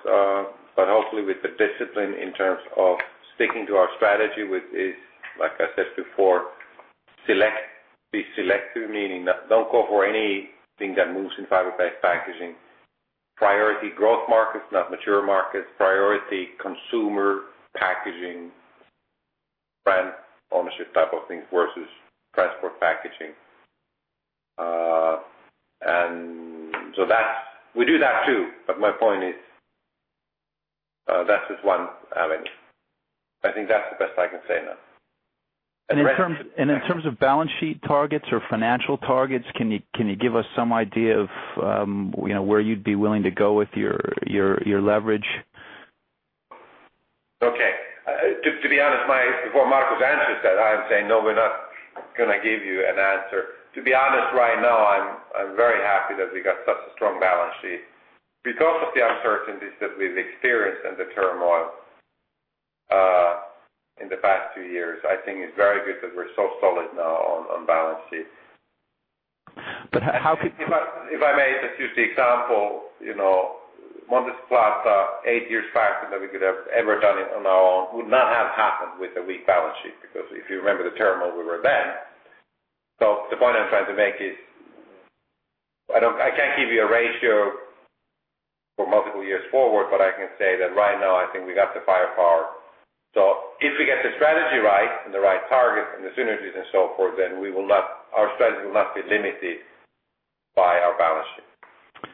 B: hopefully with the discipline in terms of sticking to our strategy, which is, like I said before, be selective, meaning don't go for anything that moves in fiber-based packaging. Priority growth markets, not mature markets, priority consumer packaging, brand ownership type of things versus transport packaging. We do that too. My point is that's just one avenue. I think that's the best I can say that.
H: In terms of balance sheet targets or financial targets, can you give us some idea of where you'd be willing to go with your leverage?
B: Okay. To be honest, before Markus answers that, I'm saying no, we're not going to give you an answer. To be honest, right now, I'm very happy that we got such a strong balance sheet. Because of the uncertainties that we've experienced and the turmoil in the past two years, I think it's very good because we're so solid now on balance sheet.
H: How could?
B: If I may, just use the example, you know, Mondi Świecie, eight years faster, nobody could have ever done it on our own, would not have happened with a weak balance sheet because if you remember the turmoil we were then. The point I'm trying to make is I don't, I can't give you a ratio for multiple years forward, but I can say that right now, I think we got the firepower. If we get the strategy right and the right targets and the synergies and so forth, our strategy will not be limited by our balance sheet.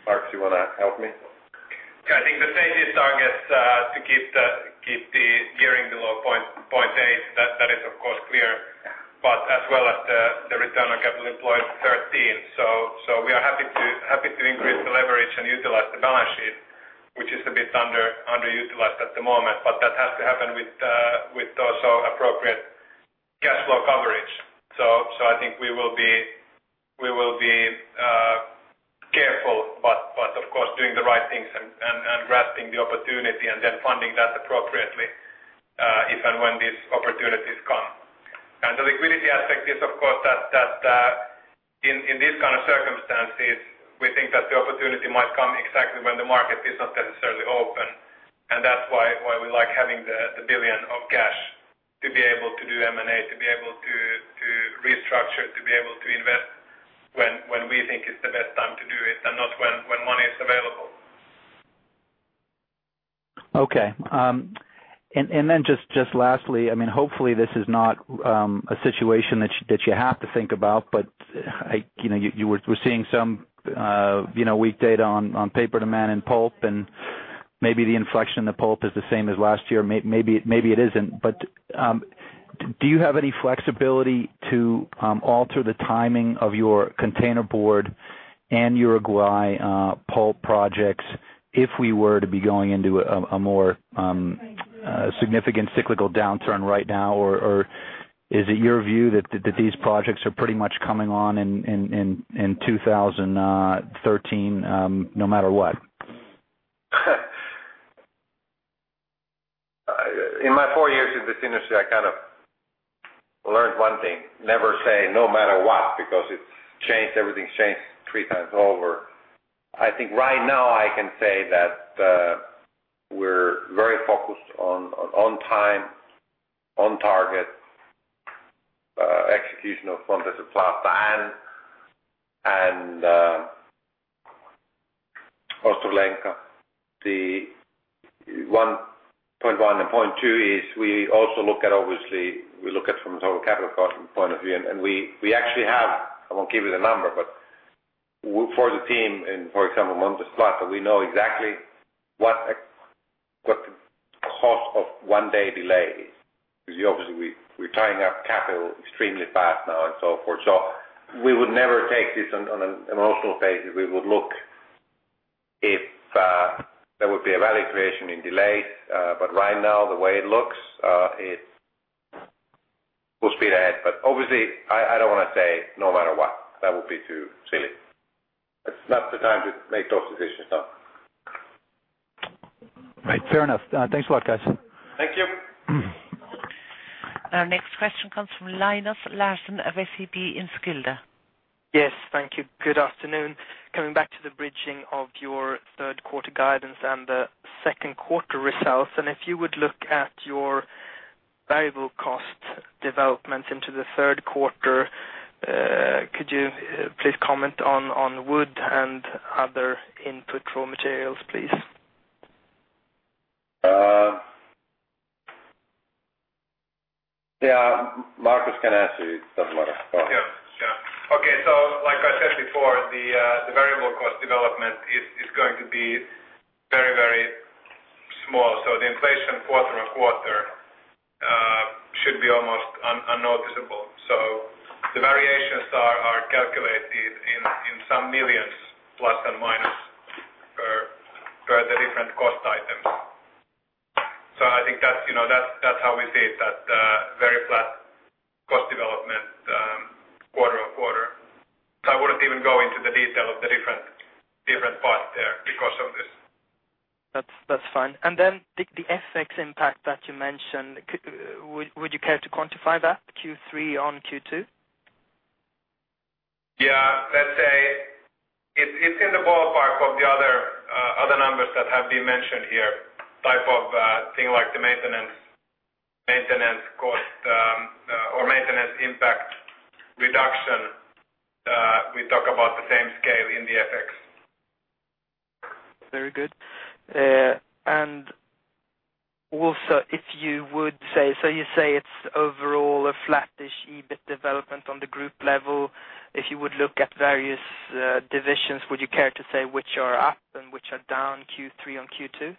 B: Mark, do you want to help me?
C: Yeah. I think the safest target is to keep the year-end below 0.8. That is, of course, clear. As well as the return on capital employed 13%. We are happy to increase the leverage and utilize the balance sheet, which is a bit underutilized at the moment. That has to happen with also appropriate cash flow coverage. I think we will be careful, of course, doing the right things and grabbing the opportunity and then funding that appropriately if and when these opportunities come. The liquidity aspect is, of course, that in these kind of circumstances, we think that the opportunity might come exactly when the market is not necessarily open. That's why we like having the billion of cash to be able to do M&A, to be able to restructure, to be able to invest when we think it's the best time to do it and not when money is available.
H: Okay. Lastly, hopefully, this is not a situation that you have to think about, but you know we're seeing some weak data on paper demand and pulp, and maybe the inflection in the pulp is the same as last year. Maybe it isn't. Do you have any flexibility to alter the timing of your containerboard and Uruguay pulp projects if we were to be going into a more significant cyclical downturn right now? Is it your view that these projects are pretty much coming on in 2013 no matter what?
B: In my four years in this industry, I kind of learned one thing. Never say no matter what because it's changed. Everything's changed three times over. I think right now I can say that we're very focused on time, on target, execution of Mondi Świecie and Ostrołęka. The 1.1 and 0.2 is we also look at, obviously, we look at from a total capital cost point of view. We actually have, I won't give you the number, but for the team in, for example, Mondi Świecie, we know exactly what the cost of one-day delay is because obviously we're tying up capital extremely fast now and so forth. We would never take this on an emotional basis. We would look if there would be a value creation in delays. Right now, the way it looks, we'll speed ahead. Obviously, I don't want to say no matter what. That would be too silly. It's not the time to make those decisions, no.
H: Right. Fair enough. Thanks a lot, guys.
B: Thank you.
D: Our next question comes from Linus Larsson of SEB Enskilda.
I: Yes. Thank you. Good afternoon. Coming back to the bridging of your third quarter guidance and the second quarter results, if you would look at your variable cost development into the third quarter, could you please comment on wood and other input raw materials, please?
B: Markus can answer. It doesn't matter. Go ahead.
C: Okay. Like I said before, the variable cost development is going to be very, very small. The inflation quarter on quarter should be almost unnoticeable. The variations are calculated in some millions, plus and minus, per the different cost items. I think that's how we see it, that very flat cost development quarter on quarter. I wouldn't even go into the detail of the different parts there because of this.
I: That's fine. The FX impact that you mentioned, would you care to quantify that? Q3 on Q2?
C: Yeah, let's say it's in the ballpark of the other numbers that have been mentioned here, type of thing like the maintenance cost or maintenance impact reduction. We talk about the same scale in the FX.
I: Very good. If you would say, you say it's overall a flattish EBIT development on the group level. If you would look at various divisions, would you care to say which are up and which are down Q3 on Q2?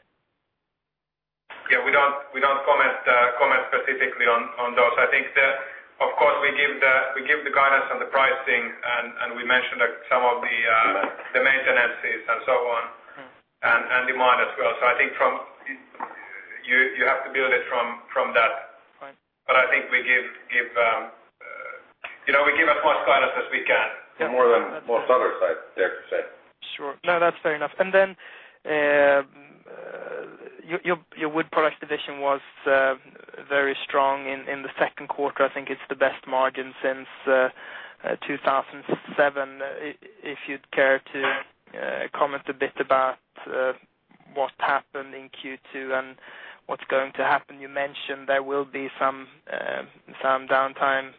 C: Yeah. We don't comment specifically on those. I think that, of course, we give the guidance and the pricing, and we mentioned that some of the maintenances and demand as well. I think you have to build it from that point. I think we give as much guidance as we can.
B: More than most others, I dare to say.
I: Sure. No, that's fair enough. Your wood product division was very strong in the second quarter. I think it's the best margin since 2007. If you'd care to comment a bit about what happened in Q2 and what's going to happen. You mentioned there will be some downtime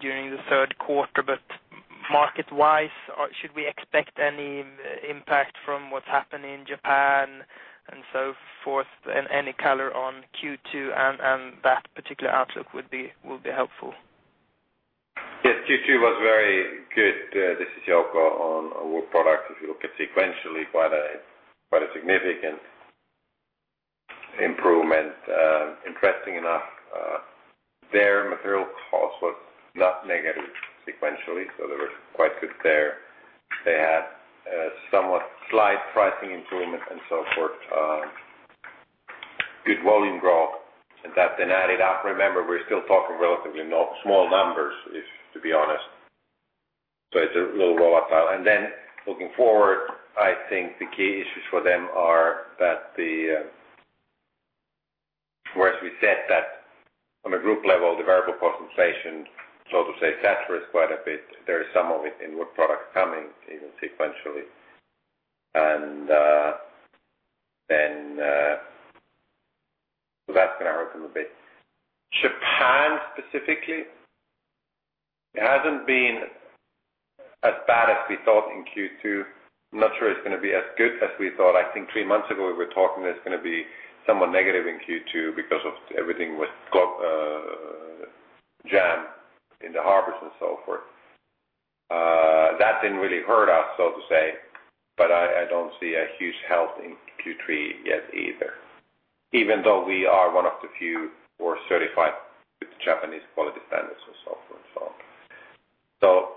I: during the third quarter, but market-wise, should we expect any impact from what's happening in Japan and so forth, and any color on Q2 and that particular outlook would be helpful?
B: Yes. Q2 was very good, this is Jouko, on wood products. If you look at sequentially, quite a significant improvement. Interestingly enough, their material cost was not negative sequentially. They were quite good there. They had a somewhat slight pricing improvement and so forth. Good volume growth, and that then added up. Remember, we're still talking relatively small numbers, to be honest, so it's a little volatile. Looking forward, I think the key issues for them are that, as we said, that on a group level, the variable cost inflation, so to say, it sat for us quite a bit. There is some of it in wood products coming even sequentially, and that's going to hurt them a bit. Japan specifically, it hasn't been as bad as we thought in Q2. I'm not sure it's going to be as good as we thought. I think three months ago, we were talking there's going to be somewhat negative in Q2 because of everything with JAN in the harvest and so forth. That didn't really hurt us, so to say. I don't see a huge help in Q3 yet either, even though we are one of the few who are certified with the Japanese quality standards and so forth and so on.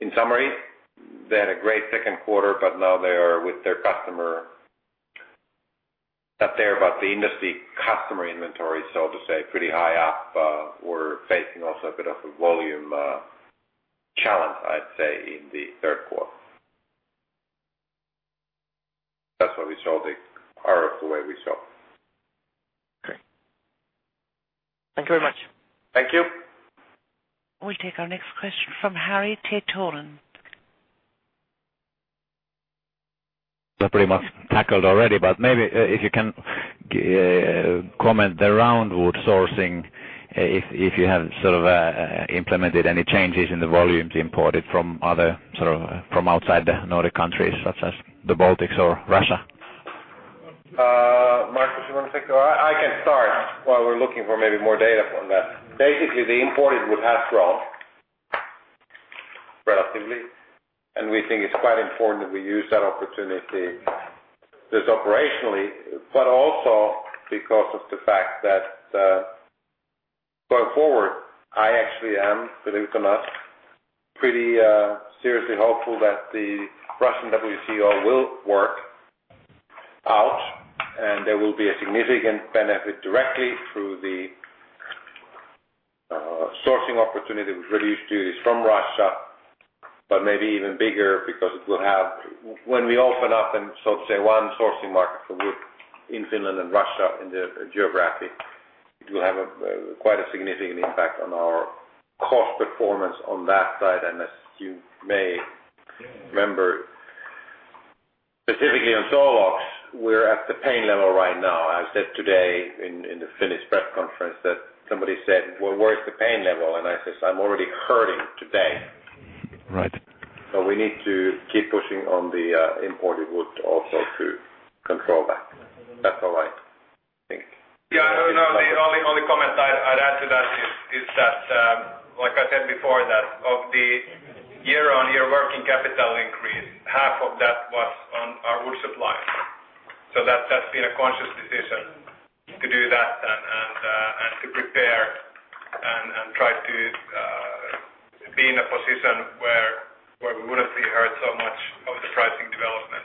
B: In summary, they had a great second quarter, but now they are with their customer up there, but the industry customer inventory, so to say, pretty high up. We're facing also a bit of a volume challenge, I'd say, in the third quarter. That's what we showed the Earth the way we showed.
I: Okay, thank you very much.
B: Thank you.
D: We'll take our next question from Harri Taittonen.
J: I pretty much tackled already, but maybe if you can comment the roundwood sourcing, if you have sort of implemented any changes in the volumes imported from outside the Nordic countries, such as the Baltics or Russia.
B: Marcus, you want to think? I can start while we're looking for maybe more data on that. Basically, the imported wood has grown relatively. We think it's quite important that we use that opportunity just operationally, but also because of the fact that going forward, I actually am, believe it or not, pretty seriously hopeful that the Russian WCO will work out, and there will be a significant benefit directly through the sourcing opportunity we're really used to is from Russia, but maybe even bigger because it will have, when we open up, so to say, one sourcing market for wood in Finland and Russia in the geographic, it will have quite a significant impact on our cost performance on that side. As you may remember, specifically on Solorox, we're at the pain level right now. I said today in the Finnish press conference that somebody said, "Where's the pain level?" I said, "I'm already hurting today." We need to keep pushing on the imported wood also to control that. That's all right.
C: Yeah. No, the only comment I'd add to that is that, like I said before, of the year-on-year working capital increase, half of that was on our wood suppliers. That's been a conscious decision to do that and to prepare and try to be in a position where we wouldn't be hurt so much by the pricing development.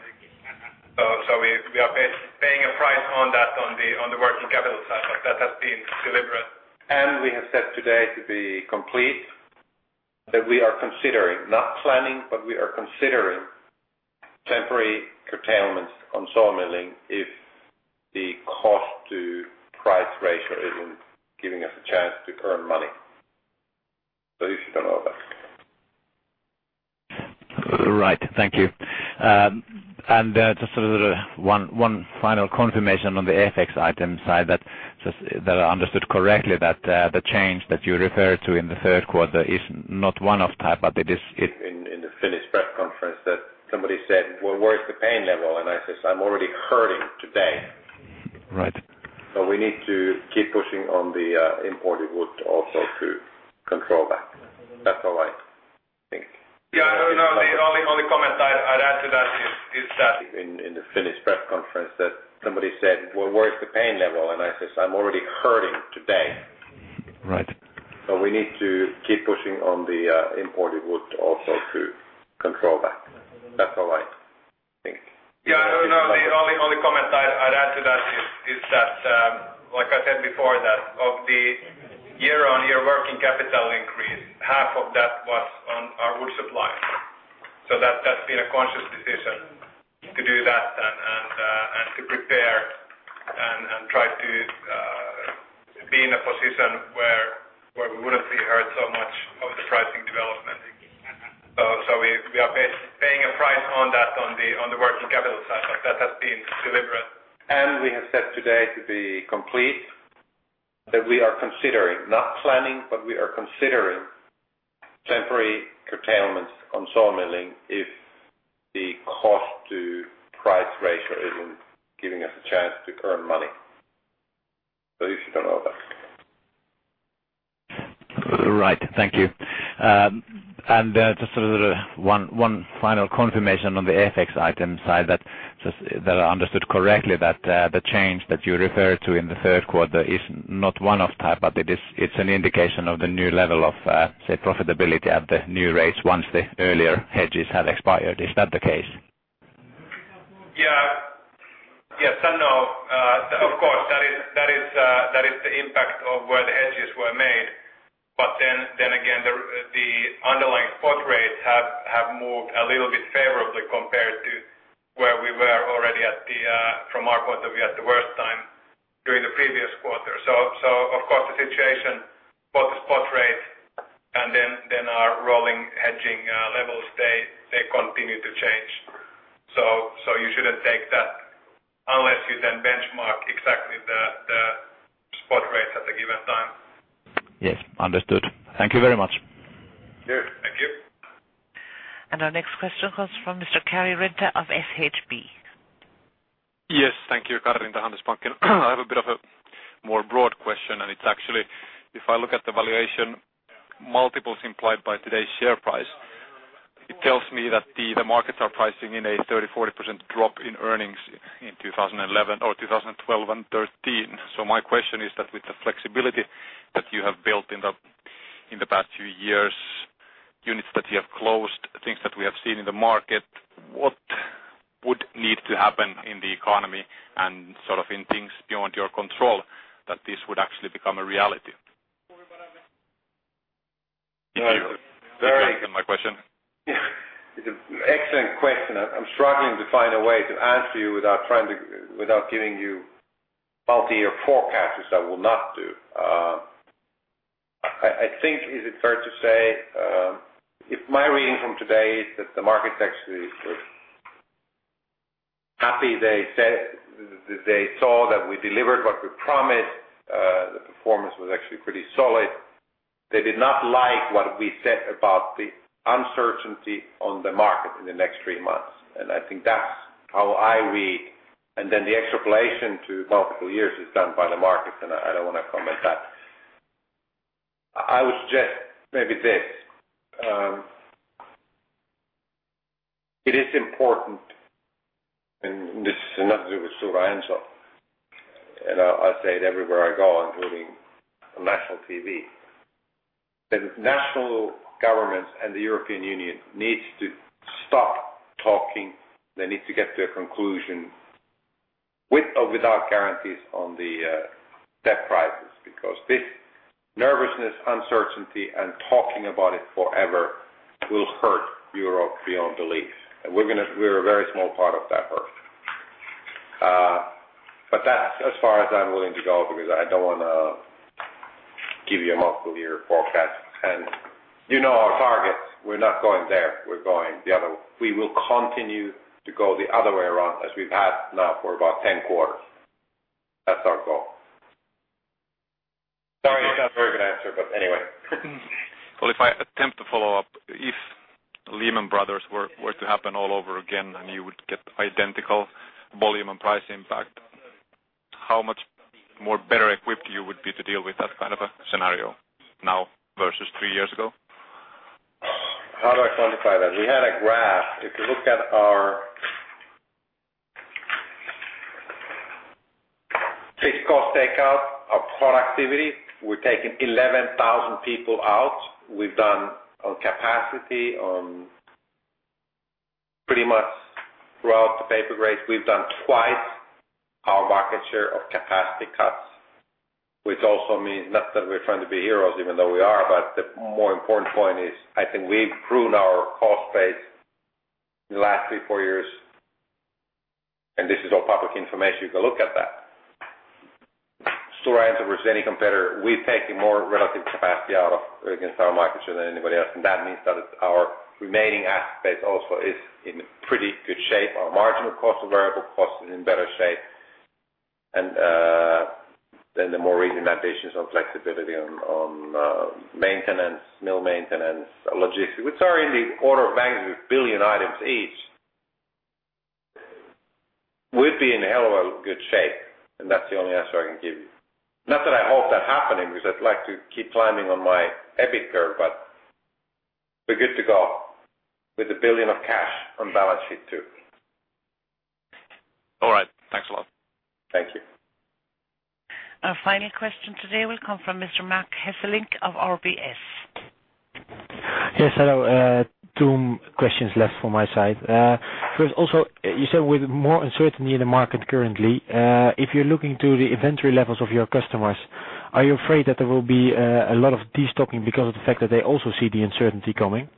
C: We are paying a price on that on the working capital side, but that has been deliberate.
B: We have said today, to be complete, that we are considering, not planning, but we are considering temporary curtailments on sawmilling if the cost-to-price ratio isn't giving us a chance to earn money. You should know that.
J: Right. Thank you.
C: Then again, the underlying spot rates have moved a little bit favorably compared to where we were already at, from our point of view, at the worst time during the previous quarter. The situation, both the spot rates and our rolling hedging levels, continue to change. You shouldn't take that unless you then benchmark exactly the spot rates at a given time.
J: Yes, understood. Thank you very much.
C: Good, thank you.
D: Our next question comes from Mr. Karri Rinta of SHB.
K: Yes. Thank you, Karri Rinta, Handelsbanken. I have a bit of a more broad question, and it's actually, if I look at the valuation multiples implied by today's share price, it tells me that the markets are pricing in a 30%-40% drop in earnings in 2011 or 2012 and 2013. My question is that with the flexibility that you have built in in the past few years, units that you have closed, things that we have seen in the market, what would need to happen in the economy and sort of in things beyond your control that this would actually become a reality?
B: Very.
K: My question?
B: Yeah. It's an excellent question. I'm struggling to find a way to answer you without giving you multi-year forecasts, which I will not do. I think, is it fair to say, if my reading from today is that the market's actually happy, they saw that we delivered what we promised, the performance was actually pretty solid. They did not like what we said about the other. Certainty. On the market in the next three months. I think that's how I read, and then the extrapolation to multiple years is done by the market. I don't want to comment on that. I would suggest maybe this. It is important, and this is another sort of story, and I say it everywhere I go, including national TV. The national government and the European Union need to stop talking. They need to get to a conclusion with or without guarantees on the debt crisis because this nervousness, uncertainty, and talking about it forever will hurt Europe beyond belief. We're a very small part of that hurt. That's as far as I'm willing to go because I don't want to give you a multiple-year forecast. You know our targets. We're not going there. We're going the other. We will continue to go the other way around as we've had now for about 10 quarters. That's our goal. Sorry, it's not a very good answer, but anyway.
K: If I attempt to follow up, if Lehman Brothers were to happen all over again and you would get identical volume and price impact, how much more better equipped you would be to deal with that kind of a scenario now versus three years ago?
B: How do I quantify that? We had a graph. If you look at our fixed cost takeout, our productivity, we've taken 11,000 people out. We've done on capacity on pretty much throughout the paper grades. We've done twice our market share of capacity cuts, which also means not that we're trying to be heroes, even though we are, but the more important point is I think we've proven our cost base in the last three, four years, and this is all public information. You can look at that. Stora Enso versus any competitor, we've taken more relative capacity out of against our market share than anybody else. That means that our remaining asset base also is in pretty good shape. Our marginal cost of variable cost is in better shape. The more recent ambitions of flexibility on maintenance, mill maintenance, logistics, which are in the order of magnitude billion items each, we'd be in hell of a good shape. That's the only answer I can give you. Not that I hope that happening because I'd like to keep climbing on my habit curve, but we're good to go with a billion of cash on balance sheet too.
K: All right. Thanks a lot.
B: Thank you.
D: Our final question today will come from Mr. Marc Hesselink of RBS.
L: Yes, hello. Two questions left from my side. First, also, you said with more uncertainty in the market currently, if you're looking to the inventory levels of your customers, are you afraid that there will be a lot of destocking because of the fact that they also see the uncertainty coming?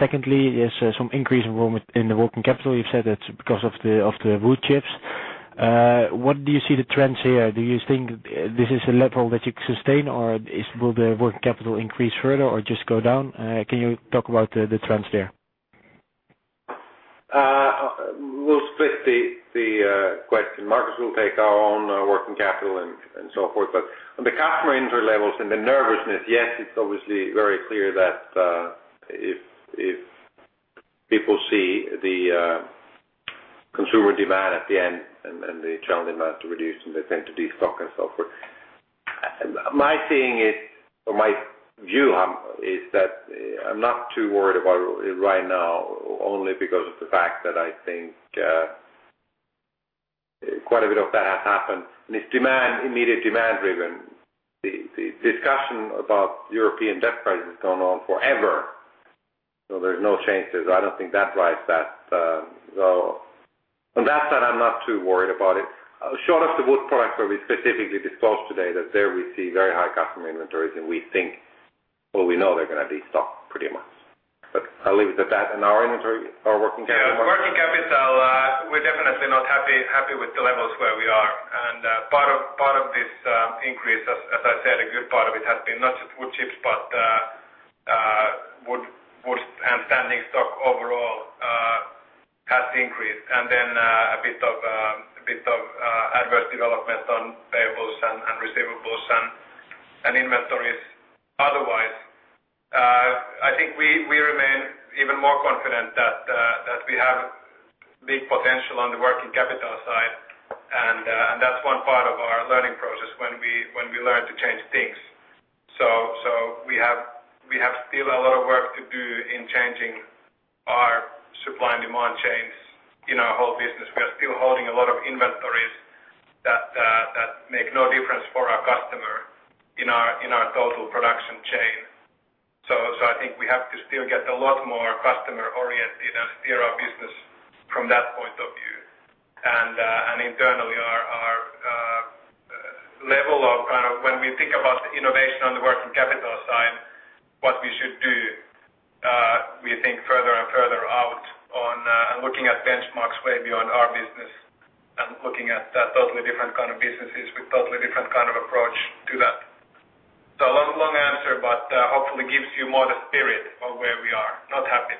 L: Secondly, there's some increase in the working capital. You've said it's because of the wood chips. What do you see the trends here? Do you think this is a level that you can sustain, or will the working capital increase further or just go down? Can you talk about the trends there?
B: We'll split the question. Markets will take our own working capital and so forth. On the customer inventory levels and the nervousness, yes, it's obviously very clear that if people see the consumer demand at the end and then they tell them not to reduce and they tend to destock and so forth. My seeing it or my view is that I'm not too worried about it right now only because of the fact that I think quite a bit of that has happened. It's immediate demand-driven. The discussion about the European debt crisis has gone on forever. There's no chance. I don't think that drives that. On that side, I'm not too worried about it. Short of the wood products, we specifically disclosed today that there we see very high customer inventories and we think, well, we know they're going to destock pretty much. I'll leave it at that. Our inventory, our working capital.
C: Yeah, working capital, we're definitely not happy with the levels where we are. Part of this increase, as I said, a good part of it has been not wood chips, but wood and standing stock overall has increased. Then a bit of adverse development on payables and receivables and inventories. Otherwise, I think we remain even more confident that we have big potential on the working capital side. That's one part of our learning process when we learn to change things. We have still a lot of work to do in changing our supply and demand chains in our whole business. We are still holding a lot of inventories that make no difference for our customer in our total production chain. I think we have to still get a lot more customer-oriented and steer our business from that point of view. Internally, our level on kind of when we think about the innovation on the working capital side, what we should do, we think further and further out on looking at benchmarks way beyond our business and looking at totally different kind of businesses with totally different kind of approach to that. A long answer, but hopefully gives you more of the spirit of where we are. Not happy.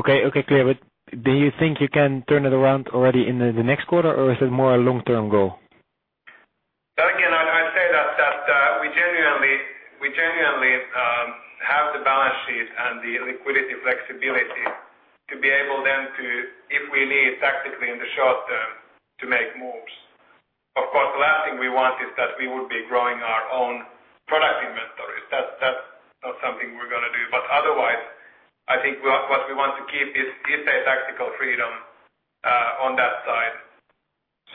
L: Okay. Okay. Clear. Do you think you can turn it around already in the next quarter, or is it more a long-term goal?
C: I'd say that we genuinely have the balance sheet and the liquidity flexibility to be able then to, if we need tactically in the short term, make moves. Of course, the last thing we want is that we would be growing our own product inventories. That's not something we're going to do. Otherwise, I think what we want to keep is a tactical freedom on that side.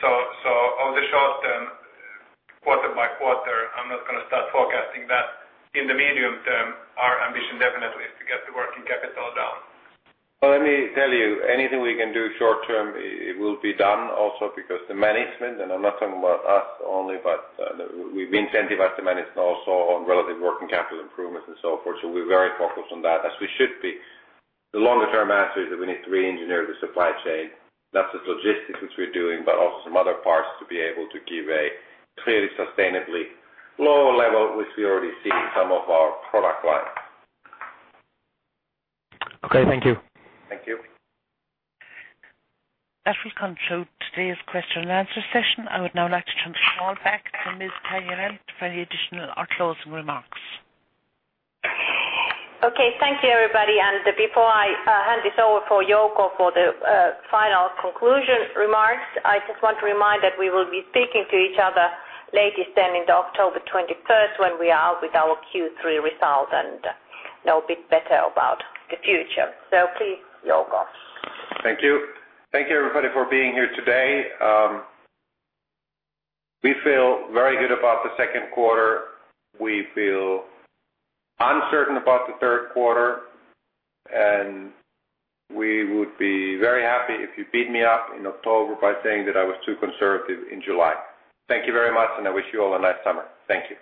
C: Over the short term, quarter by quarter, I'm not going to start forecasting that. In the medium term, our ambition definitely is to get the working capital down.
B: Anything we can do short term, it will be done also because the management, and I'm not talking about us only, but we've incentivized the management also on relative working capital improvements and so forth. We're very focused on that as we should be. The longer-term answer is that we need to re-engineer the supply chain. That's the logistics which we're doing, but also some other parts to be able to give a clearly sustainably lower level which we already see in some of our product line.
L: Okay, thank you.
B: Thank you.
D: That will conclude today's question and answer session. I would now like to turn the floor back to Ms. Paajanen for any additional outlaws and remarks.
A: Okay. Thank you, everybody. Before I hand this over for Jouko for the final conclusion remarks, I just want to remind that we will be speaking to each other latest then in October 21 when we are out with our Q3 result and know a bit better about the future. Please, Jouko.
B: Thank you. Thank you, everybody, for being here today. We feel very good about the second quarter. We feel uncertain about the third quarter. We would be very happy if you beat me up in October by saying that I was too conservative in July. Thank you very much, and I wish you all a nice summer. Thank you.